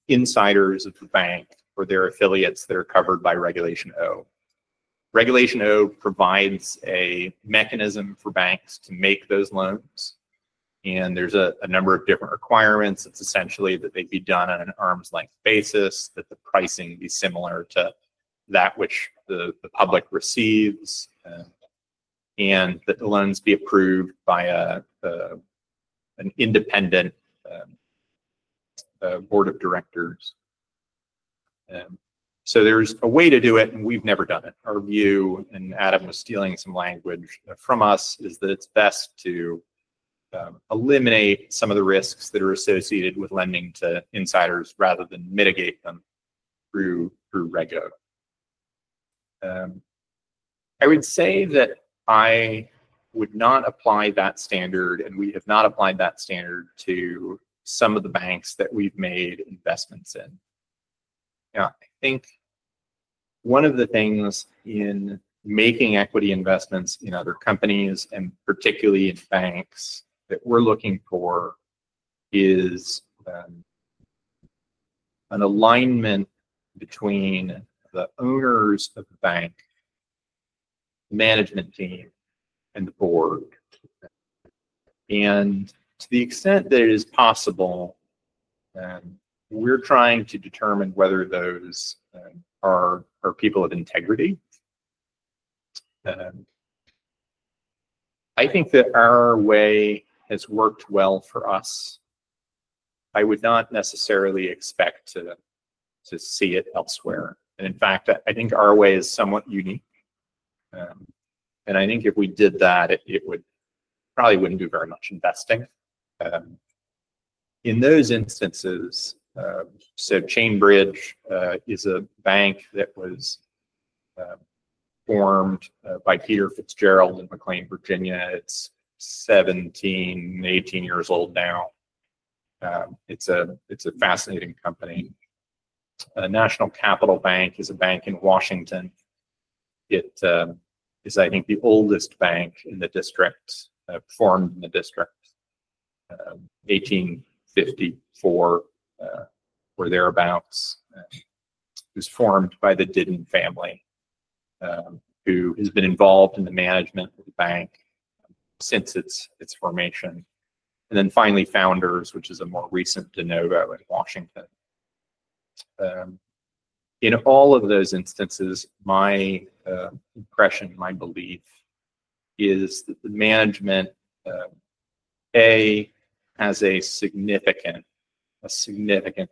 insiders of the bank or their affiliates that are covered by Regulation O. Regulation O provides a mechanism for banks to make those loans. And there's a number of different requirements. It's essentially that they be done on an arm's length basis, that the pricing be similar to that which the public receives, and that the loans be approved by an independent board of directors. So there's a way to do it, and we've never done it. Our view, and Adam was stealing some language from us, is that it's best to eliminate some of the risks that are associated with lending to insiders rather than mitigate them through Reg O. I would say that I would not apply that standard, and we have not applied that standard to some of the banks that we've made investments in. Now, I think one of the things in making equity investments in other companies, and particularly in banks, that we're looking for is an alignment between the owners of the bank, management team, and the board. To the extent that it is possible, we're trying to determine whether those are people of integrity. I think that our way has worked well for us. I would not necessarily expect to see it elsewhere. In fact, I think our way is somewhat unique. I think if we did that, it probably wouldn't do very much investing. In those instances, ChainBridge is a bank that was formed by Peter Fitzgerald in McLean, Virginia. It's 17, 18 years old now. It's a fascinating company. National Capital Bank is a bank in Washington. It is, I think, the oldest bank in the district, formed in the district, 1854 or thereabouts. It was formed by the Diddon family, who has been involved in the management of the bank since its formation. Finally, Founders, which is a more recent de novo in Washington. In all of those instances, my impression, my belief, is that the management, A, has a significant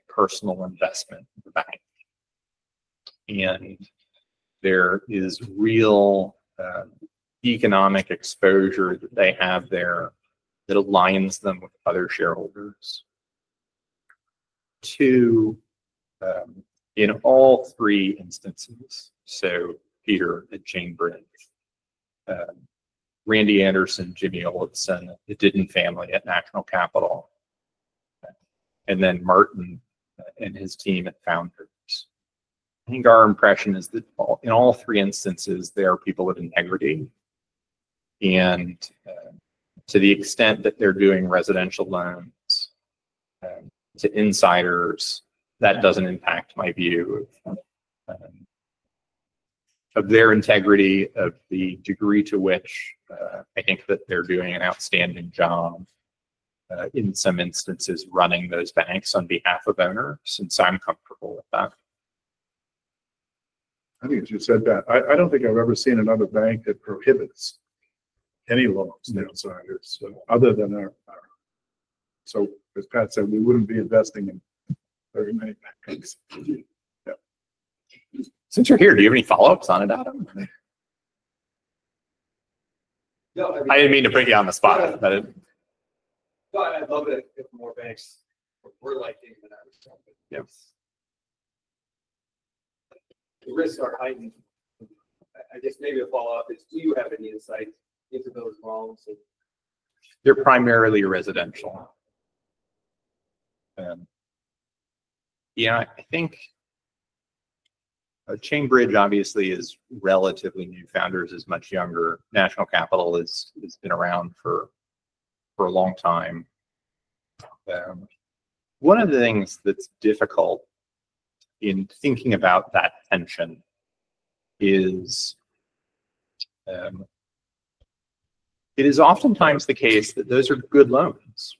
personal investment in the bank. There is real economic exposure that they have there that aligns them with other shareholders. Two, in all three instances, Peter at ChainBridge, Randy Anderson, Jimmy Olipsen, the Diddon family at National Capital, and Martin and his team at Founders. I think our impression is that in all three instances, they are people of integrity. To the extent that they're doing residential loans to insiders, that doesn't impact my view of their integrity, of the degree to which I think that they're doing an outstanding job in some instances running those banks on behalf of owners, and so I'm comfortable with that. I think as you said that, I don't think I've ever seen another bank that prohibits any loans to insiders other than ours. As Pat said, we wouldn't be investing in very many banks. Since you're here, do you have any follow-ups on it, Adam? I didn't mean to put you on the spot, but. No, I'd love it if more banks were like that. Yes. The risks are heightened. I guess maybe a follow-up is, do you have any insight into those loans? They're primarily residential. Yeah. I think ChainBridge, obviously, is relatively new. Founders is much younger. National Capital has been around for a long time. One of the things that's difficult in thinking about that tension is it is oftentimes the case that those are good loans,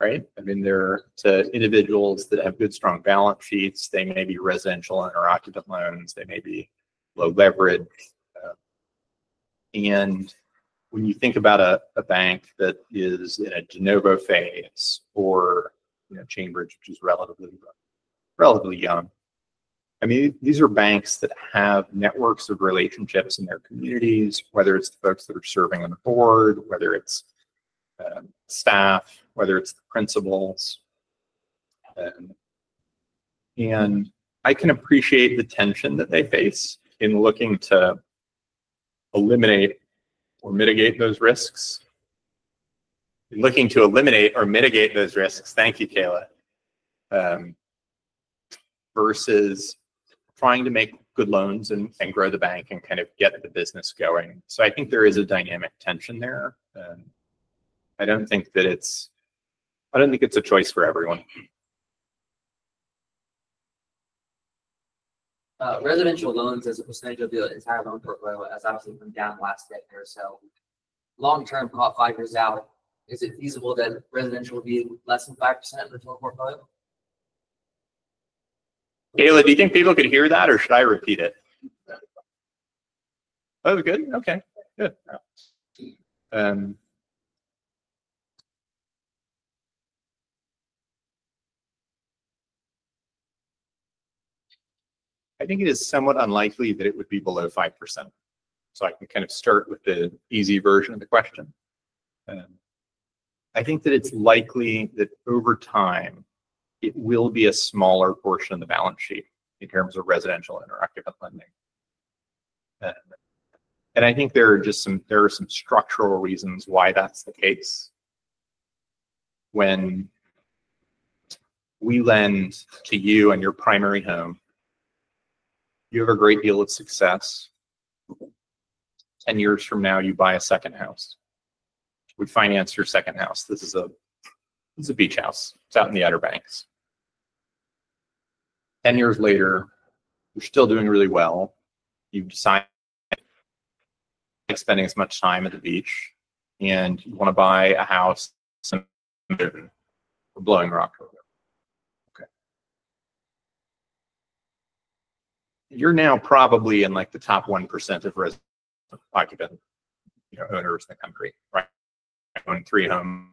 right? I mean, they're to individuals that have good, strong balance sheets. They may be residential and/or occupant loans. They may be low leverage. When you think about a bank that is in a de novo phase or ChainBridge, which is relatively young, I mean, these are banks that have networks of relationships in their communities, whether it's the folks that are serving on the board, whether it's staff, whether it's the principals. I can appreciate the tension that they face in looking to eliminate or mitigate those risks. In looking to eliminate or mitigate those risks, thank you, Kayla, versus trying to make good loans and grow the bank and kind of get the business going. I think there is a dynamic tension there. I don't think that it's I don't think it's a choice for everyone. Residential loans, as a percentage of the entire loan portfolio, has absolutely come down the last decade or so. Long-term, call it five years out, is it feasible that residential be less than 5% of the total portfolio? Kayla, do you think people could hear that, or should I repeat it? Oh, good. Okay. Good. I think it is somewhat unlikely that it would be below 5%. I can kind of start with the easy version of the question. I think that it's likely that over time, it will be a smaller portion of the balance sheet in terms of residential and/or occupant lending. I think there are some structural reasons why that's the case. When we lend to you and your primary home, you have a great deal of success. Ten years from now, you buy a second house. We finance your second house. This is a beach house. It's out in the Outer Banks. Ten years later, you're still doing really well. You decide you're not spending as much time at the beach, and you want to buy a house in the mountain or Blowing Rock River. Okay. You're now probably in the top 1% of residential occupant owners in the country, right? Owning three homes.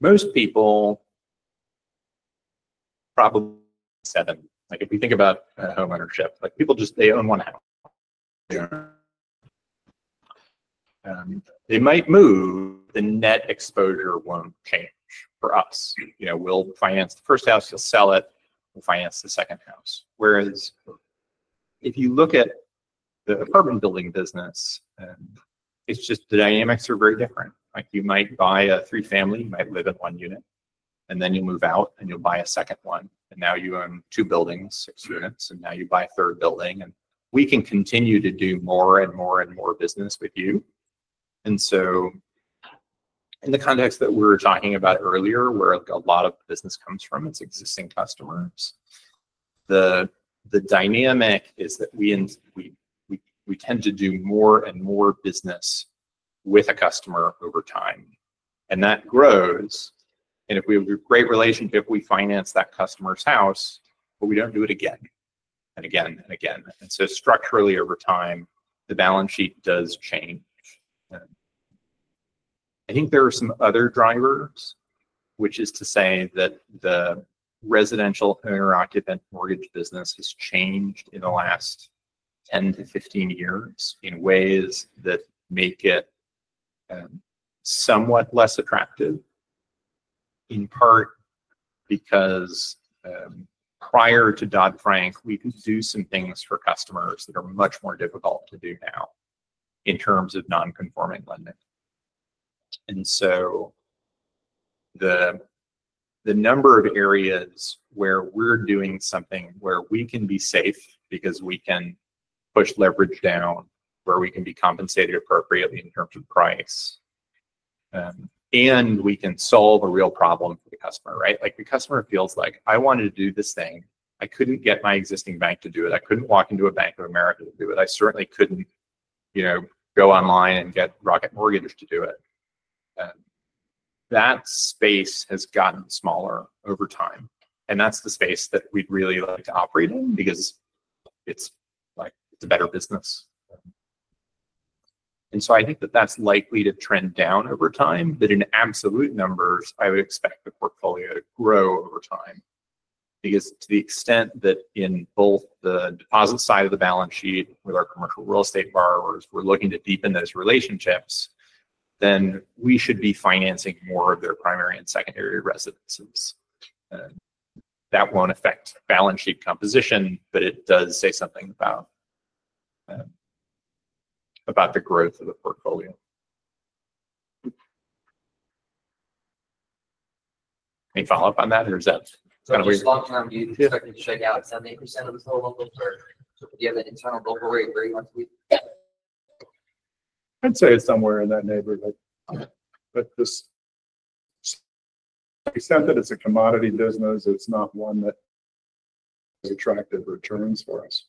Most people, probably seven. If we think about homeownership, people just, they own one house. They might move. The net exposure won't change for us. We'll finance the first house. You'll sell it. We'll finance the second house. Whereas if you look at the apartment building business, it's just the dynamics are very different. You might buy a three-family. You might live in one unit, and then you'll move out, and you'll buy a second one. Now you own two buildings, six units, and now you buy a third building. We can continue to do more and more and more business with you. In the context that we were talking about earlier, where a lot of business comes from, it's existing customers. The dynamic is that we tend to do more and more business with a customer over time. That grows. If we have a great relationship, we finance that customer's house, but we don't do it again and again and again. Structurally, over time, the balance sheet does change. I think there are some other drivers, which is to say that the residential owner-occupant mortgage business has changed in the last 10 to 15 years in ways that make it somewhat less attractive, in part because prior to Dodd-Frank, we could do some things for customers that are much more difficult to do now in terms of non-conforming lending. The number of areas where we're doing something where we can be safe because we can push leverage down, where we can be compensated appropriately in terms of price, and we can solve a real problem for the customer, right? The customer feels like, "I wanted to do this thing. I couldn't get my existing bank to do it. I couldn't walk into a Bank of America to do it. I certainly couldn't go online and get Rocket Mortgage to do it. That space has gotten smaller over time. That is the space that we'd really like to operate in because it's a better business. I think that that's likely to trend down over time. In absolute numbers, I would expect the portfolio to grow over time because to the extent that in both the deposit side of the balance sheet with our commercial real estate borrowers, we're looking to deepen those relationships, then we should be financing more of their primary and secondary residences. That will not affect balance sheet composition, but it does say something about the growth of the portfolio. Any follow-up on that, or is that kind of weird? Long-term needs to check out 70% of the total levels, or do you have an internal local rate very much? I'd say it's somewhere in that neighborhood. To the extent that it's a commodity business, it's not one that has attractive returns for us.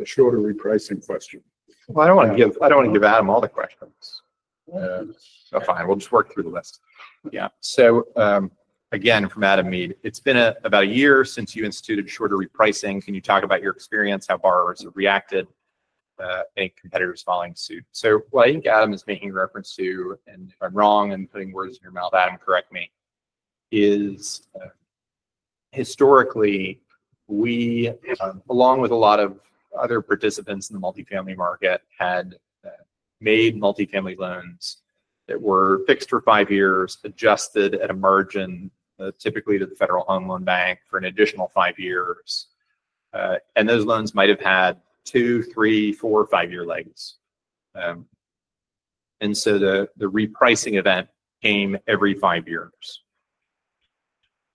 A shorter repricing question. I don't want to give Adam all the questions. That's fine. We'll just work through the list. Yeah. Again, from Adam Mead, it's been about a year since you instituted shorter repricing. Can you talk about your experience, how borrowers have reacted, and competitors following suit? What I think Adam is making reference to, and if I'm wrong, I'm putting words in your mouth, Adam, correct me, is historically, we, along with a lot of other participants in the multifamily market, had made multifamily loans that were fixed for five years, adjusted at a margin, typically to the Federal Home Loan Bank for an additional five years. Those loans might have had two, three, four, five-year legs. The repricing event came every five years.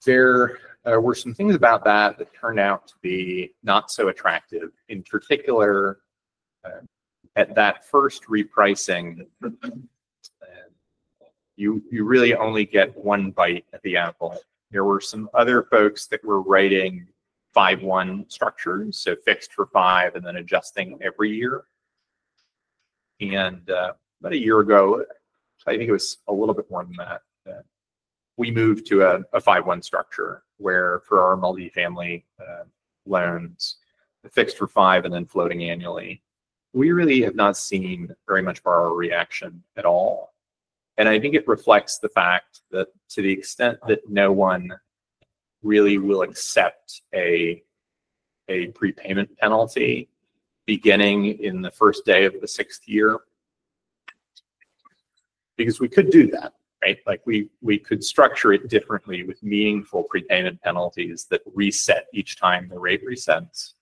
There were some things about that that turned out to be not so attractive. In particular, at that first repricing, you really only get one bite at the apple. There were some other folks that were writing 5-1 structures, so fixed for five and then adjusting every year. About a year ago, I think it was a little bit more than that, we moved to a 5-1 structure where for our multifamily loans, fixed for five and then floating annually. We really have not seen very much borrower reaction at all. I think it reflects the fact that to the extent that no one really will accept a prepayment penalty beginning in the first day of the sixth year, because we could do that, right? We could structure it differently with meaningful prepayment penalties that reset each time the rate resets.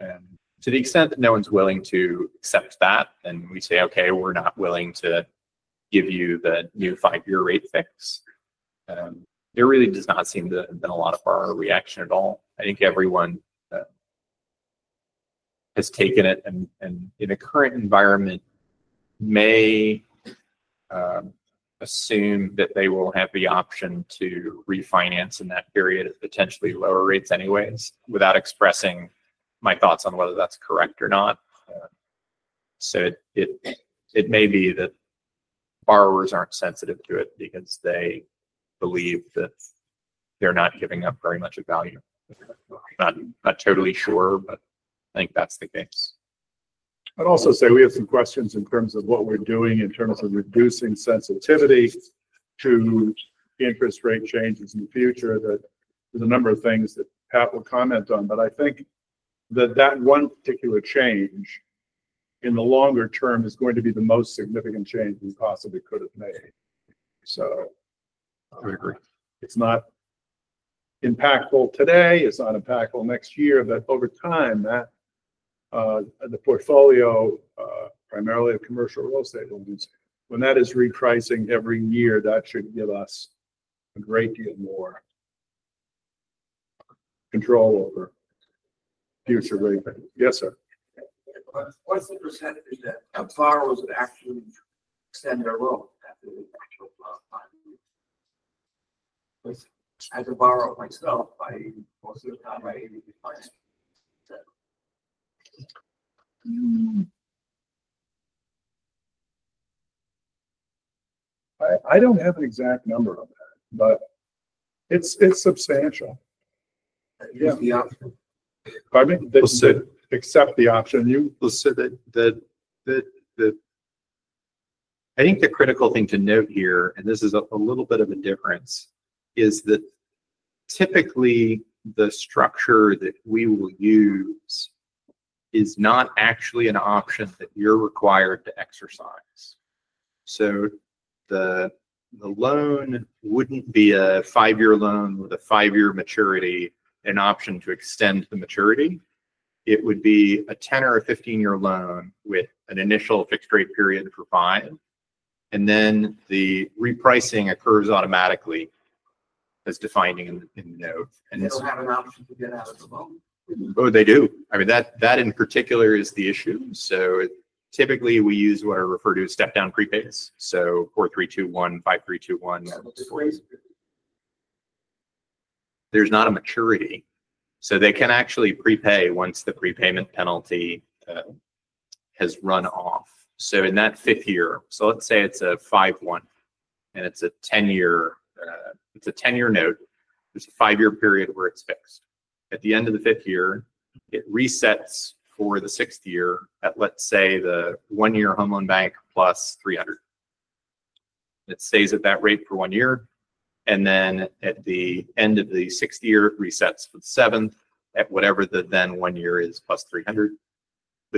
To the extent that no one's willing to accept that, and we say, "Okay, we're not willing to give you the new five-year rate fix," there really does not seem to have been a lot of borrower reaction at all. I think everyone has taken it and in a current environment may assume that they will have the option to refinance in that period at potentially lower rates anyways without expressing my thoughts on whether that's correct or not. It may be that borrowers aren't sensitive to it because they believe that they're not giving up very much of value. I'm not totally sure, but I think that's the case. I'd also say we have some questions in terms of what we're doing in terms of reducing sensitivity to interest rate changes in the future. There's a number of things that Pat will comment on, but I think that that one particular change in the longer term is going to be the most significant change we possibly could have made. It's not impactful today. It's not impactful next year. Over time, the portfolio, primarily of commercial real estate loans, when that is repricing every year, that should give us a great deal more control over future rate cuts. Yes, sir. What's the percentage that borrowers would actually extend their loan after the actual five years? As a borrower myself, most of the time I don't have an exact number on that, but it's substantial. Pardon me? Except the option. I think the critical thing to note here, and this is a little bit of a difference, is that typically the structure that we will use is not actually an option that you're required to exercise. The loan would not be a five-year loan with a five-year maturity, an option to extend the maturity. It would be a 10 or a 15-year loan with an initial fixed rate period for five. The repricing occurs automatically, as defined in the note. They do not have an option to get out of the loan. Oh, they do. I mean, that in particular is the issue. Typically, we use what are referred to as step-down prepays. 4321, 5321. There is not a maturity. They can actually prepay once the prepayment penalty has run off. In that fifth year, let's say it's a 5-1, and it's a 10-year note. There's a five-year period where it's fixed. At the end of the fifth year, it resets for the sixth year at, let's say, the one-year home loan bank plus 300. It stays at that rate for one year. At the end of the sixth year, it resets for the seventh at whatever the then one year is plus 300.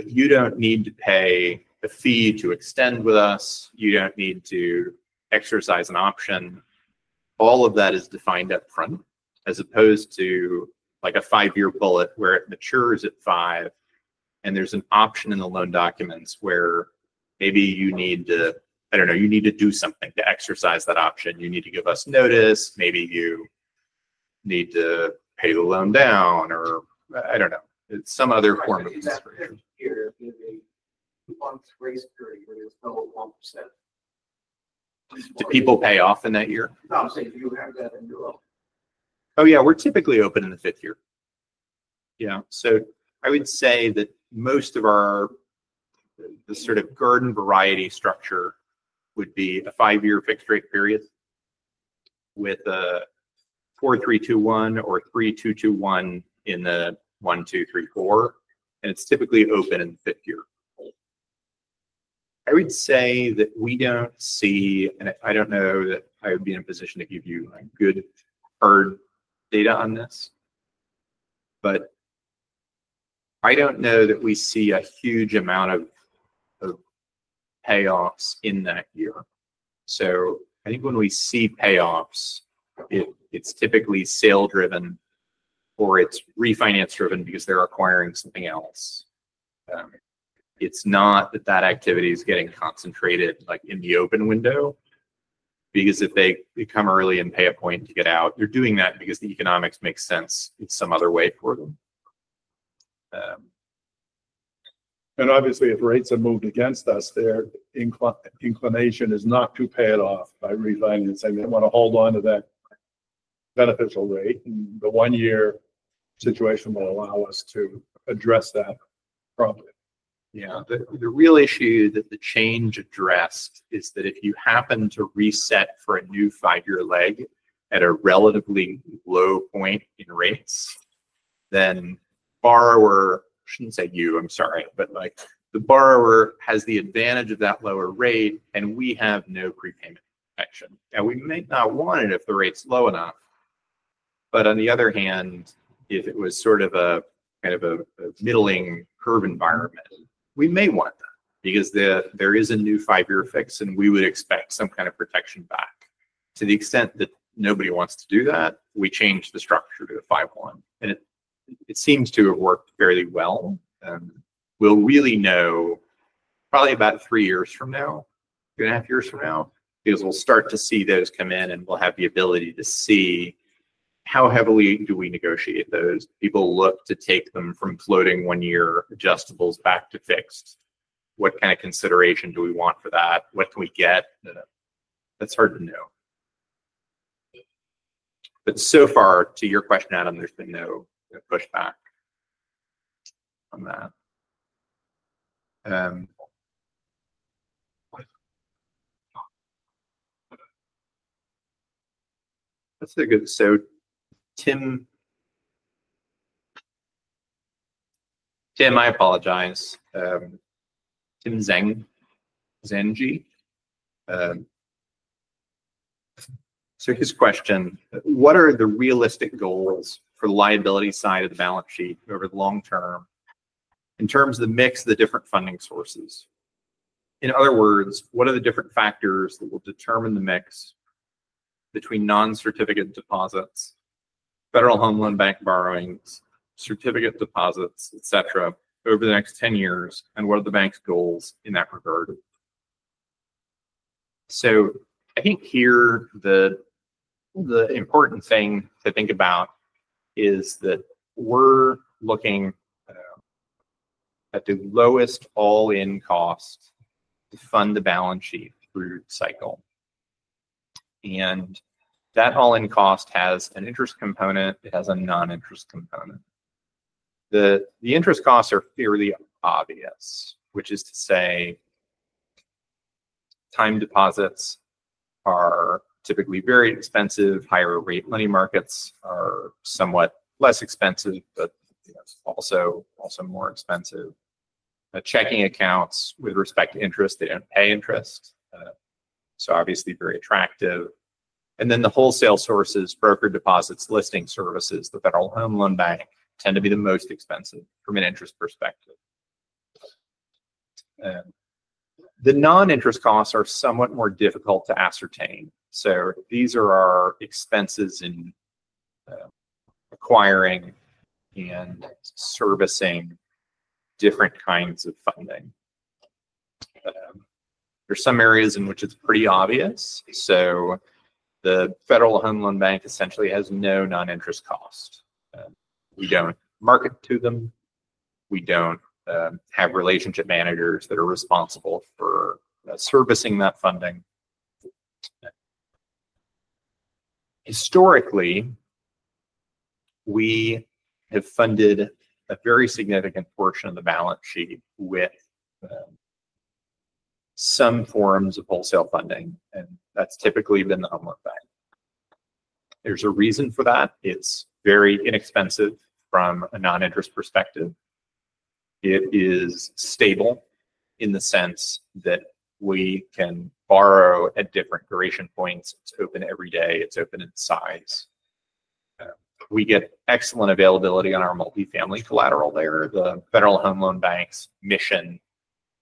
You don't need to pay a fee to extend with us. You don't need to exercise an option. All of that is defined upfront, as opposed to a five-year bullet where it matures at five. There's an option in the loan documents where maybe you need to, I don't know, you need to do something to exercise that option. You need to give us notice. Maybe you need to pay the loan down, or I don't know, some other form of. Yeah. If you want to raise security, where there's double 1%. Do people pay off in that year? No, I'm saying do you have that in your own? Oh, yeah. We're typically open in the fifth year. Yeah. I would say that most of our sort of garden variety structure would be a five-year fixed rate period with a 4321 or 3221 in the 1, 2, 3, 4. And it's typically open in the fifth year. I would say that we don't see, and I don't know that I would be in a position to give you good hard data on this, but I don't know that we see a huge amount of payoffs in that year. I think when we see payoffs, it's typically sale-driven or it's refinance-driven because they're acquiring something else. It's not that that activity is getting concentrated in the open window because if they come early and pay a point to get out, they're doing that because the economics make sense in some other way for them. Obviously, if rates have moved against us, their inclination is not to pay it off by refinancing. They want to hold on to that beneficial rate. The one-year situation will allow us to address that properly. The real issue that the change addressed is that if you happen to reset for a new five-year leg at a relatively low point in rates, then the borrower, I shouldn't say you, I'm sorry, but the borrower has the advantage of that lower rate, and we have no prepayment protection. Now, we might not want it if the rate's low enough. On the other hand, if it was sort of a kind of a middling curve environment, we may want that because there is a new five-year fix, and we would expect some kind of protection back. To the extent that nobody wants to do that, we change the structure to a 5-1. It seems to have worked fairly well. We'll really know probably about three years from now, two and a half years from now, because we'll start to see those come in, and we'll have the ability to see how heavily do we negotiate those. People look to take them from floating one-year adjustables back to fixed. What kind of consideration do we want for that? What can we get? That's hard to know. So far, to your question, Adam, there's been no pushback on that. That's a good. Tim, I apologize. Tim Zeng. So his question, what are the realistic goals for the liability side of the balance sheet over the long term in terms of the mix of the different funding sources? In other words, what are the different factors that will determine the mix between non-certificate deposits, Federal Home Loan Bank borrowings, certificate deposits, etc., over the next 10 years, and what are the bank's goals in that regard? I think here the important thing to think about is that we're looking at the lowest all-in cost to fund the balance sheet through cycle. That all-in cost has an interest component. It has a non-interest component. The interest costs are fairly obvious, which is to say time deposits are typically very expensive. Higher-rate money markets are somewhat less expensive, but also more expensive. Checking accounts with respect to interest, they do not pay interest. Obviously, very attractive. The wholesale sources, broker deposits, listing services, the Federal Home Loan Bank tend to be the most expensive from an interest perspective. The non-interest costs are somewhat more difficult to ascertain. These are our expenses in acquiring and servicing different kinds of funding. There are some areas in which it is pretty obvious. The Federal Home Loan Bank essentially has no non-interest cost. We do not market to them. We do not have relationship managers that are responsible for servicing that funding. Historically, we have funded a very significant portion of the balance sheet with some forms of wholesale funding. That has typically been the Home Loan Bank. There is a reason for that. It is very inexpensive from a non-interest perspective. It is stable in the sense that we can borrow at different duration points. It's open every day. It's open in size. We get excellent availability on our multifamily collateral there. The Federal Home Loan Bank's mission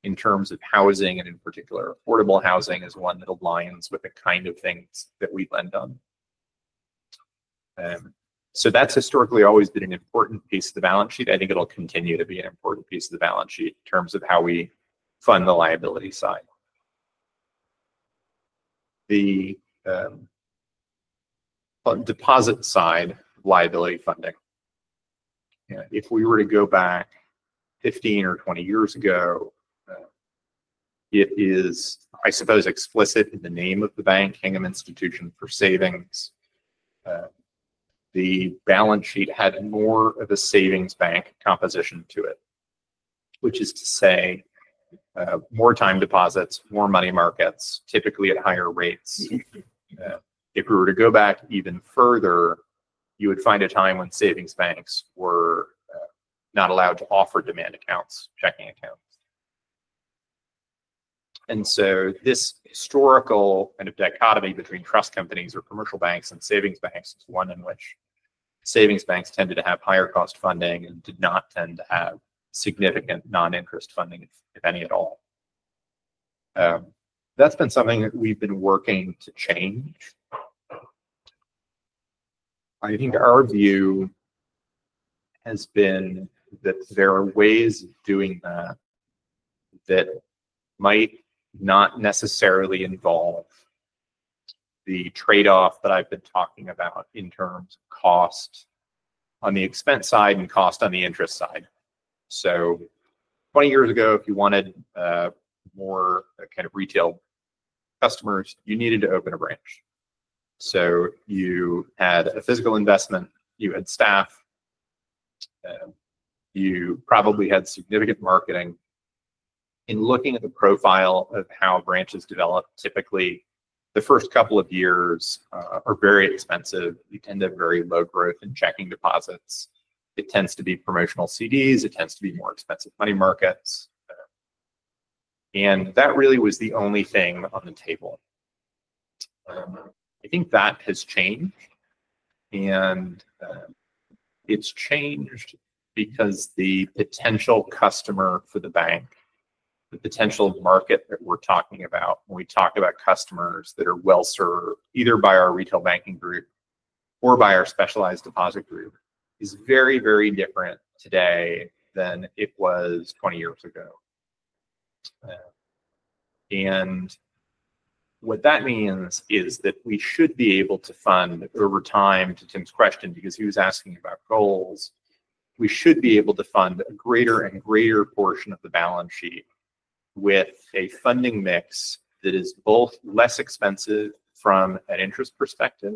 in terms of housing, and in particular, affordable housing, is one that aligns with the kind of things that we lend on. That's historically always been an important piece of the balance sheet. I think it'll continue to be an important piece of the balance sheet in terms of how we fund the liability side. The deposit side of liability funding. If we were to go back 15 or 20 years ago, it is, I suppose, explicit in the name of the bank, Hingham Institution for Savings. The balance sheet had more of a savings bank composition to it, which is to say more time deposits, more money markets, typically at higher rates. If we were to go back even further, you would find a time when savings banks were not allowed to offer demand accounts, checking accounts. This historical kind of dichotomy between trust companies or commercial banks and savings banks is one in which savings banks tended to have higher-cost funding and did not tend to have significant non-interest funding, if any at all. That has been something that we have been working to change. I think our view has been that there are ways of doing that that might not necessarily involve the trade-off that I have been talking about in terms of cost on the expense side and cost on the interest side. Twenty years ago, if you wanted more kind of retail customers, you needed to open a branch. You had a physical investment. You had staff. You probably had significant marketing. In looking at the profile of how branches develop, typically, the first couple of years are very expensive. They tend to have very low growth in checking deposits. It tends to be promotional CDs. It tends to be more expensive money markets. That really was the only thing on the table. I think that has changed. It has changed because the potential customer for the bank, the potential market that we're talking about, when we talk about customers that are well served either by our retail banking group or by our specialized deposit group, is very, very different today than it was twenty years ago. What that means is that we should be able to fund over time to Tim's question because he was asking about goals. We should be able to fund a greater and greater portion of the balance sheet with a funding mix that is both less expensive from an interest perspective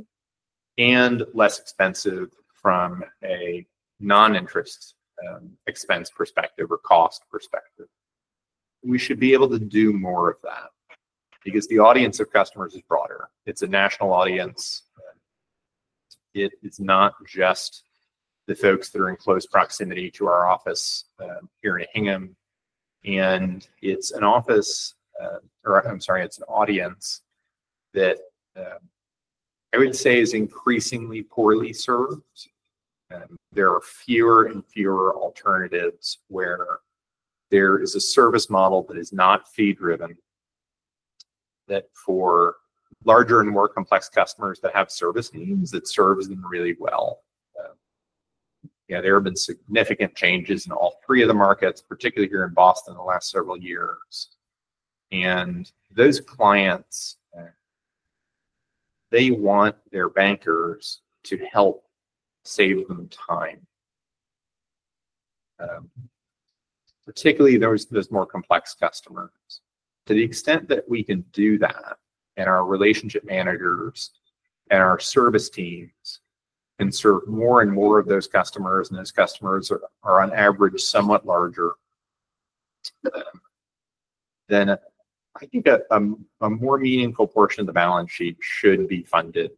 and less expensive from a non-interest expense perspective or cost perspective. We should be able to do more of that because the audience of customers is broader. It's a national audience. It is not just the folks that are in close proximity to our office here in Hingham. It's an audience that I would say is increasingly poorly served. There are fewer and fewer alternatives where there is a service model that is not fee-driven that for larger and more complex customers that have service needs, it serves them really well. Yeah, there have been significant changes in all three of the markets, particularly here in Boston in the last several years. Those clients, they want their bankers to help save them time, particularly those more complex customers. To the extent that we can do that and our relationship managers and our service teams can serve more and more of those customers, and those customers are on average somewhat larger, I think a more meaningful portion of the balance sheet should be funded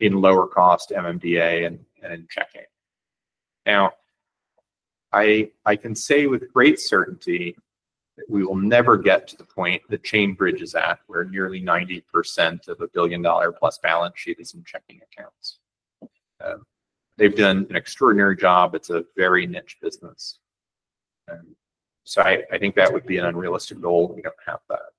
in lower-cost MMDA and in checking. I can say with great certainty that we will never get to the point that ChainBridge is at where nearly 90% of a billion-dollar-plus balance sheet is in checking accounts. They've done an extraordinary job. It's a very niche business. I think that would be an unrealistic goal. We don't have that.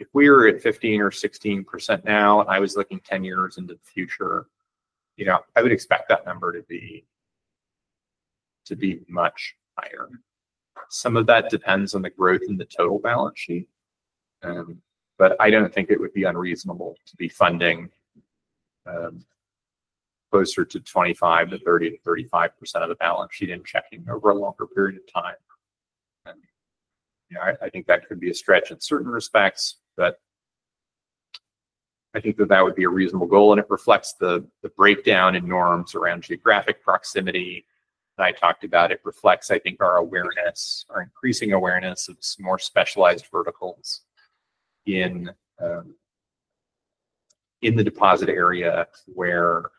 If we were at 15% or 16% now, and I was looking 10 years into the future, I would expect that number to be much higher. Some of that depends on the growth in the total balance sheet. I do not think it would be unreasonable to be funding closer to 25%-30%-35% of the balance sheet in checking over a longer period of time. I think that could be a stretch in certain respects, but I think that would be a reasonable goal. It reflects the breakdown in norms around geographic proximity that I talked about. It reflects, I think, our awareness, our increasing awareness of some more specialized verticals in the deposit area where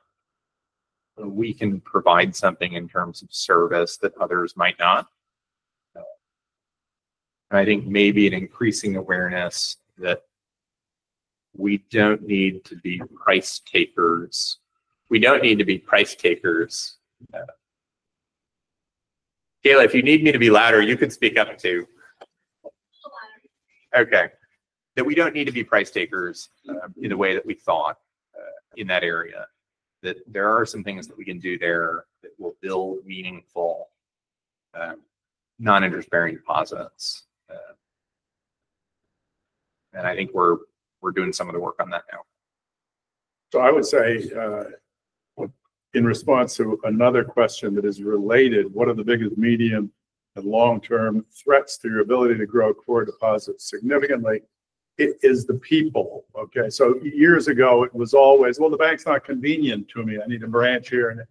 we can provide something in terms of service that others might not. I think maybe an increasing awareness that we do not need to be price takers. We do not need to be price takers. Kayla, if you need me to be louder, you can speak up too. Okay. We do not need to be price takers in the way that we thought in that area, that there are some things that we can do there that will build meaningful non-interest-bearing deposits. I think we are doing some of the work on that now. I would say in response to another question that is related, one of the biggest medium and long-term threats to your ability to grow core deposits significantly is the people. Years ago, it was always, "The bank is not convenient to me. I need a branch here."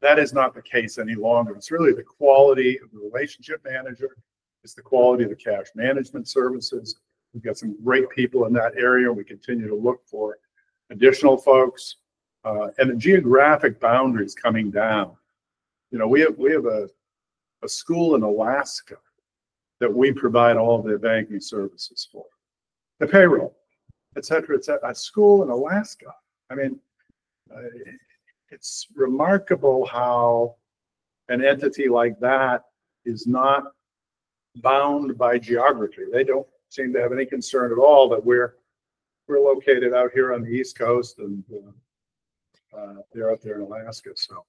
That is not the case any longer. It is really the quality of the relationship manager. It's the quality of the cash management services. We've got some great people in that area. We continue to look for additional folks. The geographic boundary is coming down. We have a school in Alaska that we provide all of their banking services for, the payroll, etc., etc. A school in Alaska. I mean, it's remarkable how an entity like that is not bound by geography. They don't seem to have any concern at all that we're located out here on the East Coast, and they're out there in Alaska. There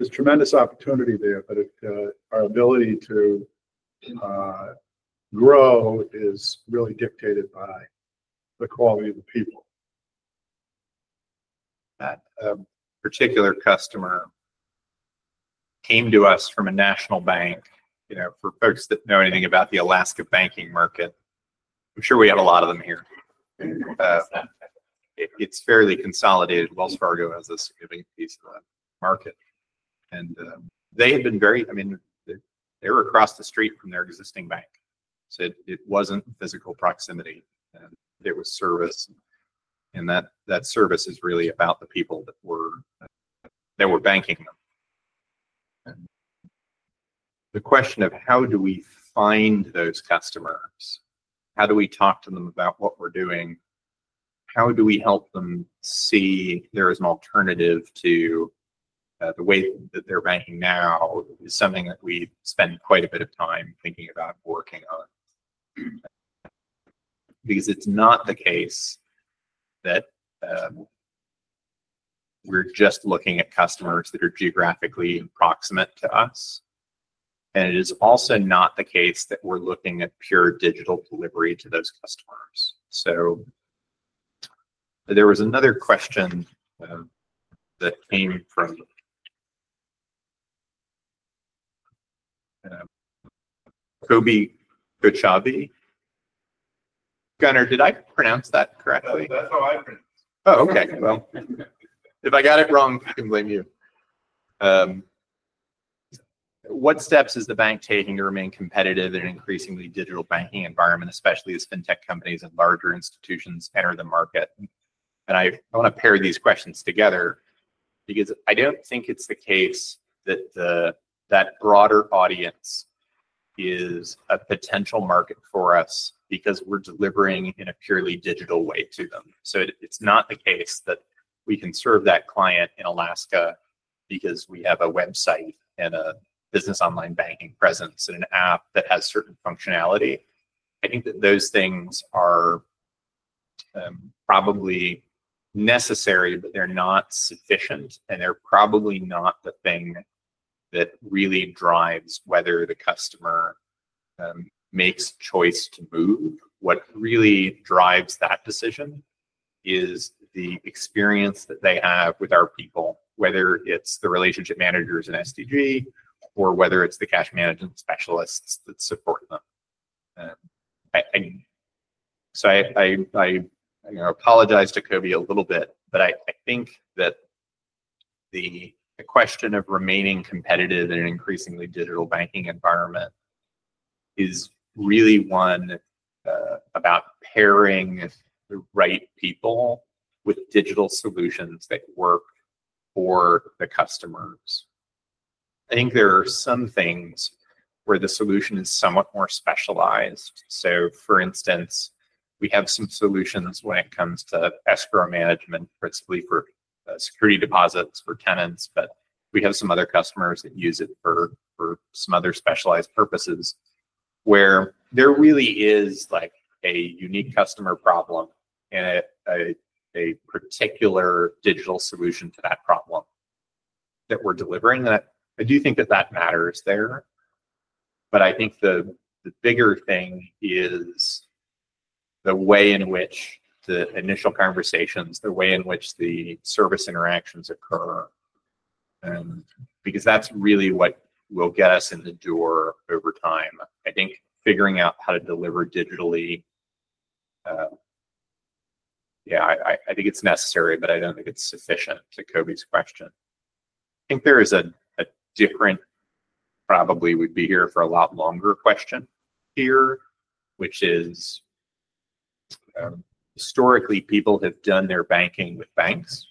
is tremendous opportunity there, but our ability to grow is really dictated by the quality of the people. That particular customer came to us from a national bank. For folks that know anything about the Alaska banking market, I'm sure we have a lot of them here. It's fairly consolidated. Wells Fargo has a significant piece of that market. They had been very—I mean, they were across the street from their existing bank. It was not physical proximity. It was service. That service is really about the people that were banking them. The question of how do we find those customers? How do we talk to them about what we are doing? How do we help them see there is an alternative to the way that they are banking now is something that we spend quite a bit of time thinking about and working on? It is not the case that we are just looking at customers that are geographically proximate to us. It is also not the case that we are looking at pure digital delivery to those customers. There was another question that came from Kobe Gochabe. Gunner, did I pronounce that correctly? That is how I pronounce it. Oh, okay. If I got it wrong, I can blame you. What steps is the bank taking to remain competitive in an increasingly digital banking environment, especially as fintech companies and larger institutions enter the market? I want to pair these questions together because I do not think it is the case that that broader audience is a potential market for us because we are delivering in a purely digital way to them. It is not the case that we can serve that client in Alaska because we have a website and a business online banking presence and an app that has certain functionality. I think that those things are probably necessary, but they are not sufficient. They are probably not the thing that really drives whether the customer makes a choice to move. What really drives that decision is the experience that they have with our people, whether it's the relationship managers in SDG or whether it's the cash management specialists that support them. I apologize to Kobe a little bit, but I think that the question of remaining competitive in an increasingly digital banking environment is really one about pairing the right people with digital solutions that work for the customers. I think there are some things where the solution is somewhat more specialized. For instance, we have some solutions when it comes to escrow management, particularly for security deposits for tenants. We have some other customers that use it for some other specialized purposes where there really is a unique customer problem and a particular digital solution to that problem that we're delivering. I do think that that matters there. I think the bigger thing is the way in which the initial conversations, the way in which the service interactions occur, because that's really what will get us in the door over time. I think figuring out how to deliver digitally, yeah, I think it's necessary, but I don't think it's sufficient to Kobe's question. I think there is a different, probably would be here for a lot longer question here, which is historically, people have done their banking with banks.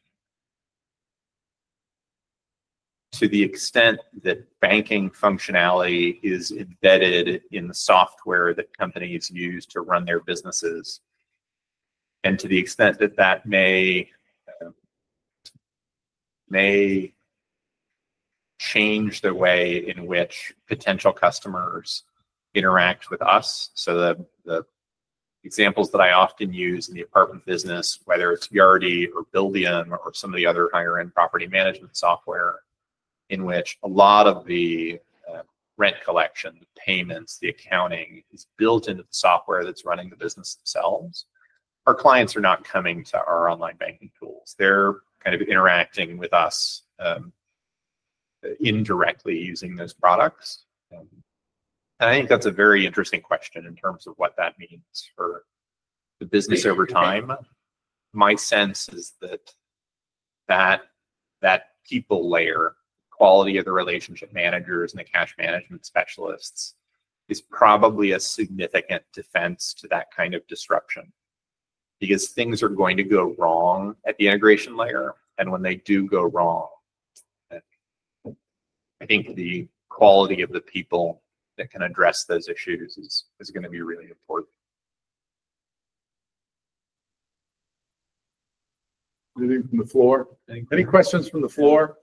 To the extent that banking functionality is embedded in the software that companies use to run their businesses and to the extent that that may change the way in which potential customers interact with us. The examples that I often use in the apartment business, whether it's Yardi or Billium or some of the other higher-end property management software in which a lot of the rent collection, the payments, the accounting is built into the software that's running the business themselves, our clients are not coming to our online banking tools. They're kind of interacting with us indirectly using those products. I think that's a very interesting question in terms of what that means for the business over time. My sense is that that people layer, the quality of the relationship managers and the cash management specialists, is probably a significant defense to that kind of disruption because things are going to go wrong at the integration layer. When they do go wrong, I think the quality of the people that can address those issues is going to be really important. Anything from the floor? Any questions from the floor?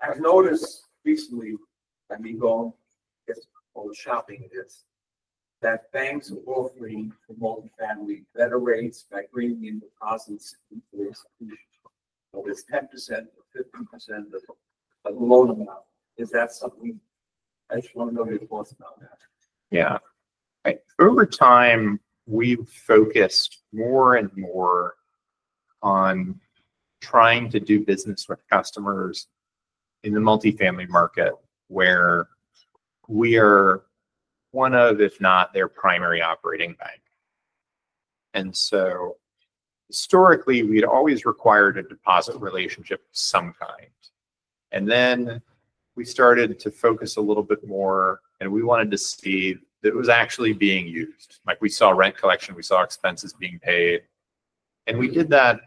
I've noticed recently, I mean, going as far as shopping it is, that banks are offering for multifamily better rates by bringing in deposits into their solutions. Whether it's 10% or 15% of the loan amount, is that something I just want to know your thoughts about that? Yeah. Over time, we've focused more and more on trying to do business with customers in the multifamily market where we are one of, if not their primary operating bank. And so historically, we'd always required a deposit relationship of some kind. And then we started to focus a little bit more, and we wanted to see that it was actually being used. We saw rent collection. We saw expenses being paid. And we did that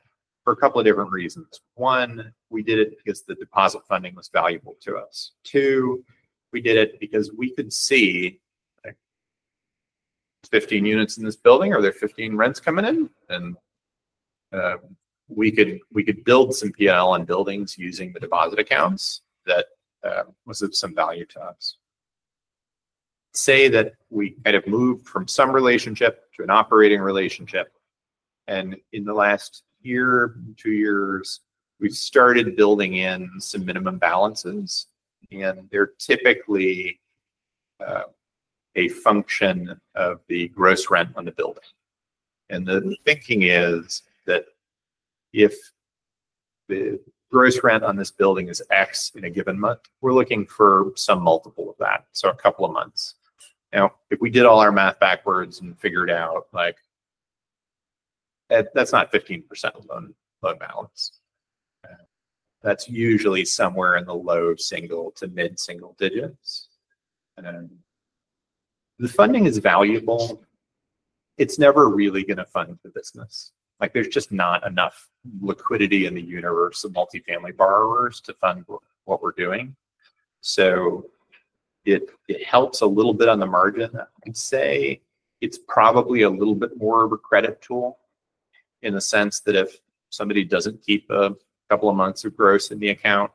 for a couple of different reasons. One, we did it because the deposit funding was valuable to us. Two, we did it because we could see 15 units in this building. Are there 15 rents coming in? We could build some P&L on buildings using the deposit accounts that was of some value to us. Say that we kind of moved from some relationship to an operating relationship. In the last year, two years, we have started building in some minimum balances. They are typically a function of the gross rent on the building. The thinking is that if the gross rent on this building is X in a given month, we are looking for some multiple of that, so a couple of months. Now, if we did all our math backwards and figured out that is not 15% loan balance. That is usually somewhere in the low single to mid-single digits. The funding is valuable. It's never really going to fund the business. There's just not enough liquidity in the universe of multifamily borrowers to fund what we're doing. It helps a little bit on the margin. I'd say it's probably a little bit more of a credit tool in the sense that if somebody doesn't keep a couple of months of gross in the account,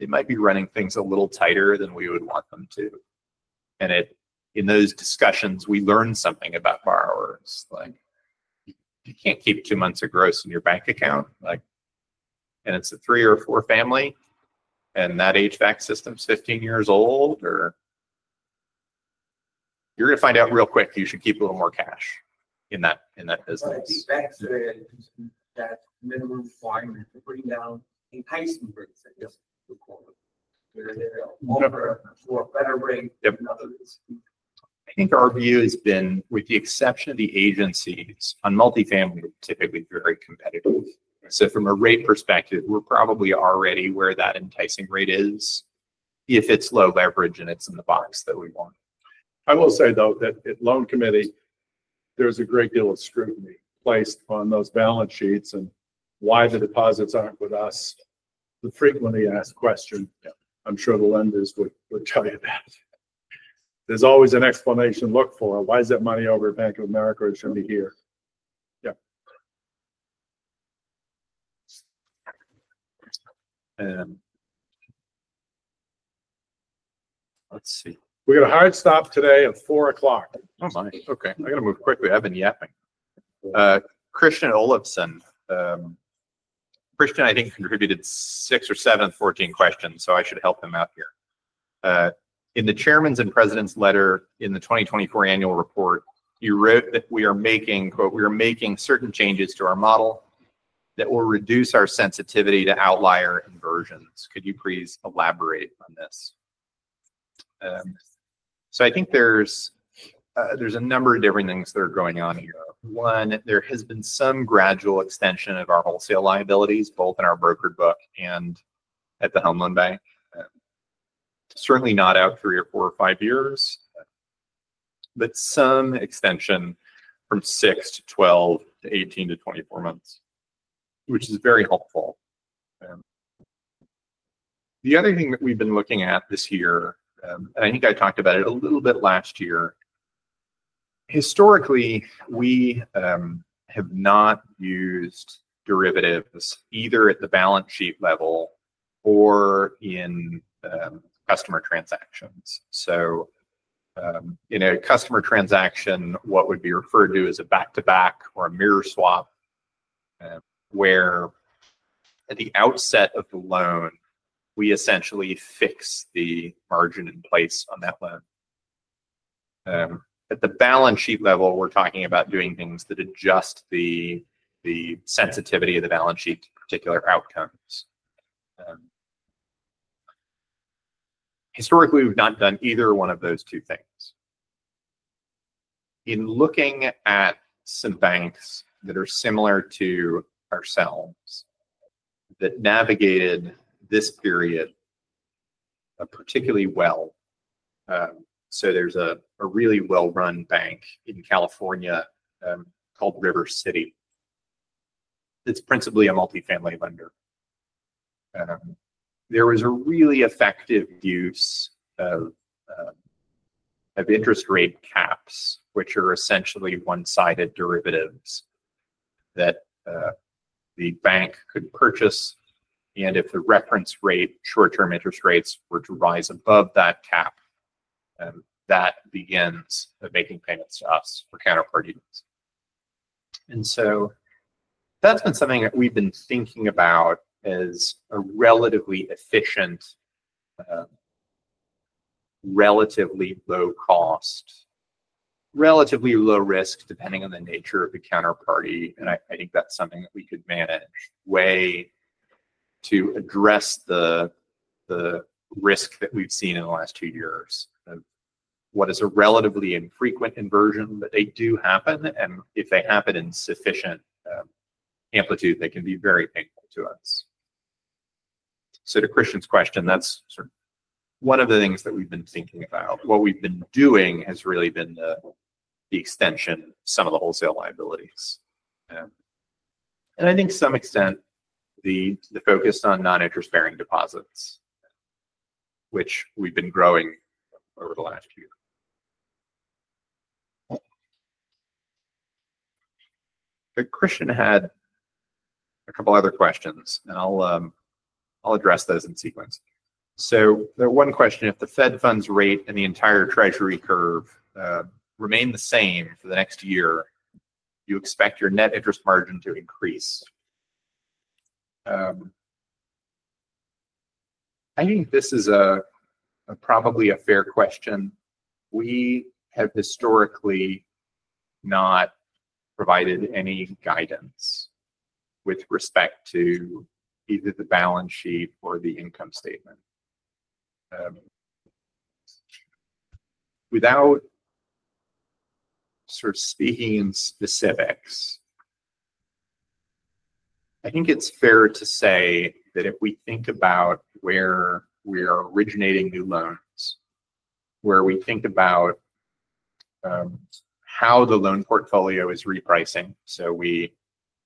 they might be running things a little tighter than we would want them to. In those discussions, we learned something about borrowers. You can't keep two months of gross in your bank account. It's a three or four family, and that HVAC system's 15 years old, or you're going to find out real quick you should keep a little more cash in that business. That's the minimum requirement to bring down. In Hingham, for instance, where they're offering a better rate than others. I think our view has been, with the exception of the agencies, on multifamily, typically very competitive. From a rate perspective, we're probably already where that enticing rate is if it's low leverage and it's in the box that we want. I will say, though, that at Loan Committee, there's a great deal of scrutiny placed on those balance sheets and why the deposits aren't with us. The frequently asked question, I'm sure the lenders would tell you that. There's always an explanation to look for. Why is that money over at Bank of America or shouldn't be here? Let's see. We got a hard stop today at 4:00 P.M. I got to move quickly. I've been yapping. Christian Olipsen. Christian, I think, contributed 6 or 7 of the 14 questions, so I should help him out here. In the chairman's and president's letter in the 2024 annual report, you wrote that we are making, "We are making certain changes to our model that will reduce our sensitivity to outlier inversions." Could you please elaborate on this? I think there's a number of different things that are going on here. One, there has been some gradual extension of our wholesale liabilities, both in our brokered book and at the Home Loan Bank. Certainly not out three or four or five years, but some extension from 6 to 12 to 18 to 24 months, which is very helpful. The other thing that we've been looking at this year, and I think I talked about it a little bit last year, historically, we have not used derivatives either at the balance sheet level or in customer transactions. In a customer transaction, what would be referred to as a back-to-back or a mirror swap, where at the outset of the loan, we essentially fix the margin in place on that loan. At the balance sheet level, we're talking about doing things that adjust the sensitivity of the balance sheet to particular outcomes. Historically, we've not done either one of those two things. In looking at some banks that are similar to ourselves that navigated this period particularly well, there is a really well-run bank in California called River City. It's principally a multifamily lender. There was a really effective use of interest rate caps, which are essentially one-sided derivatives that the bank could purchase. If the reference rate, short-term interest rates, were to rise above that cap, that begins making payments to us for counterparty loans. That has been something that we've been thinking about as a relatively efficient, relatively low-cost, relatively low-risk, depending on the nature of the counterparty. I think that's something that we could manage as a way to address the risk that we've seen in the last two years of what is a relatively infrequent inversion, but they do happen. If they happen in sufficient amplitude, they can be very painful to us. To Christian's question, that is one of the things that we've been thinking about. What we've been doing has really been the extension of some of the wholesale liabilities. I think, to some extent, the focus on non-interest-bearing deposits, which we've been growing over the last year. Christian had a couple of other questions, and I'll address those in sequence. One question: if the Fed funds rate and the entire Treasury curve remain the same for the next year, do you expect your net interest margin to increase? I think this is probably a fair question. We have historically not provided any guidance with respect to either the balance sheet or the income statement. Without sort of speaking in specifics, I think it's fair to say that if we think about where we are originating new loans, where we think about how the loan portfolio is repricing, so we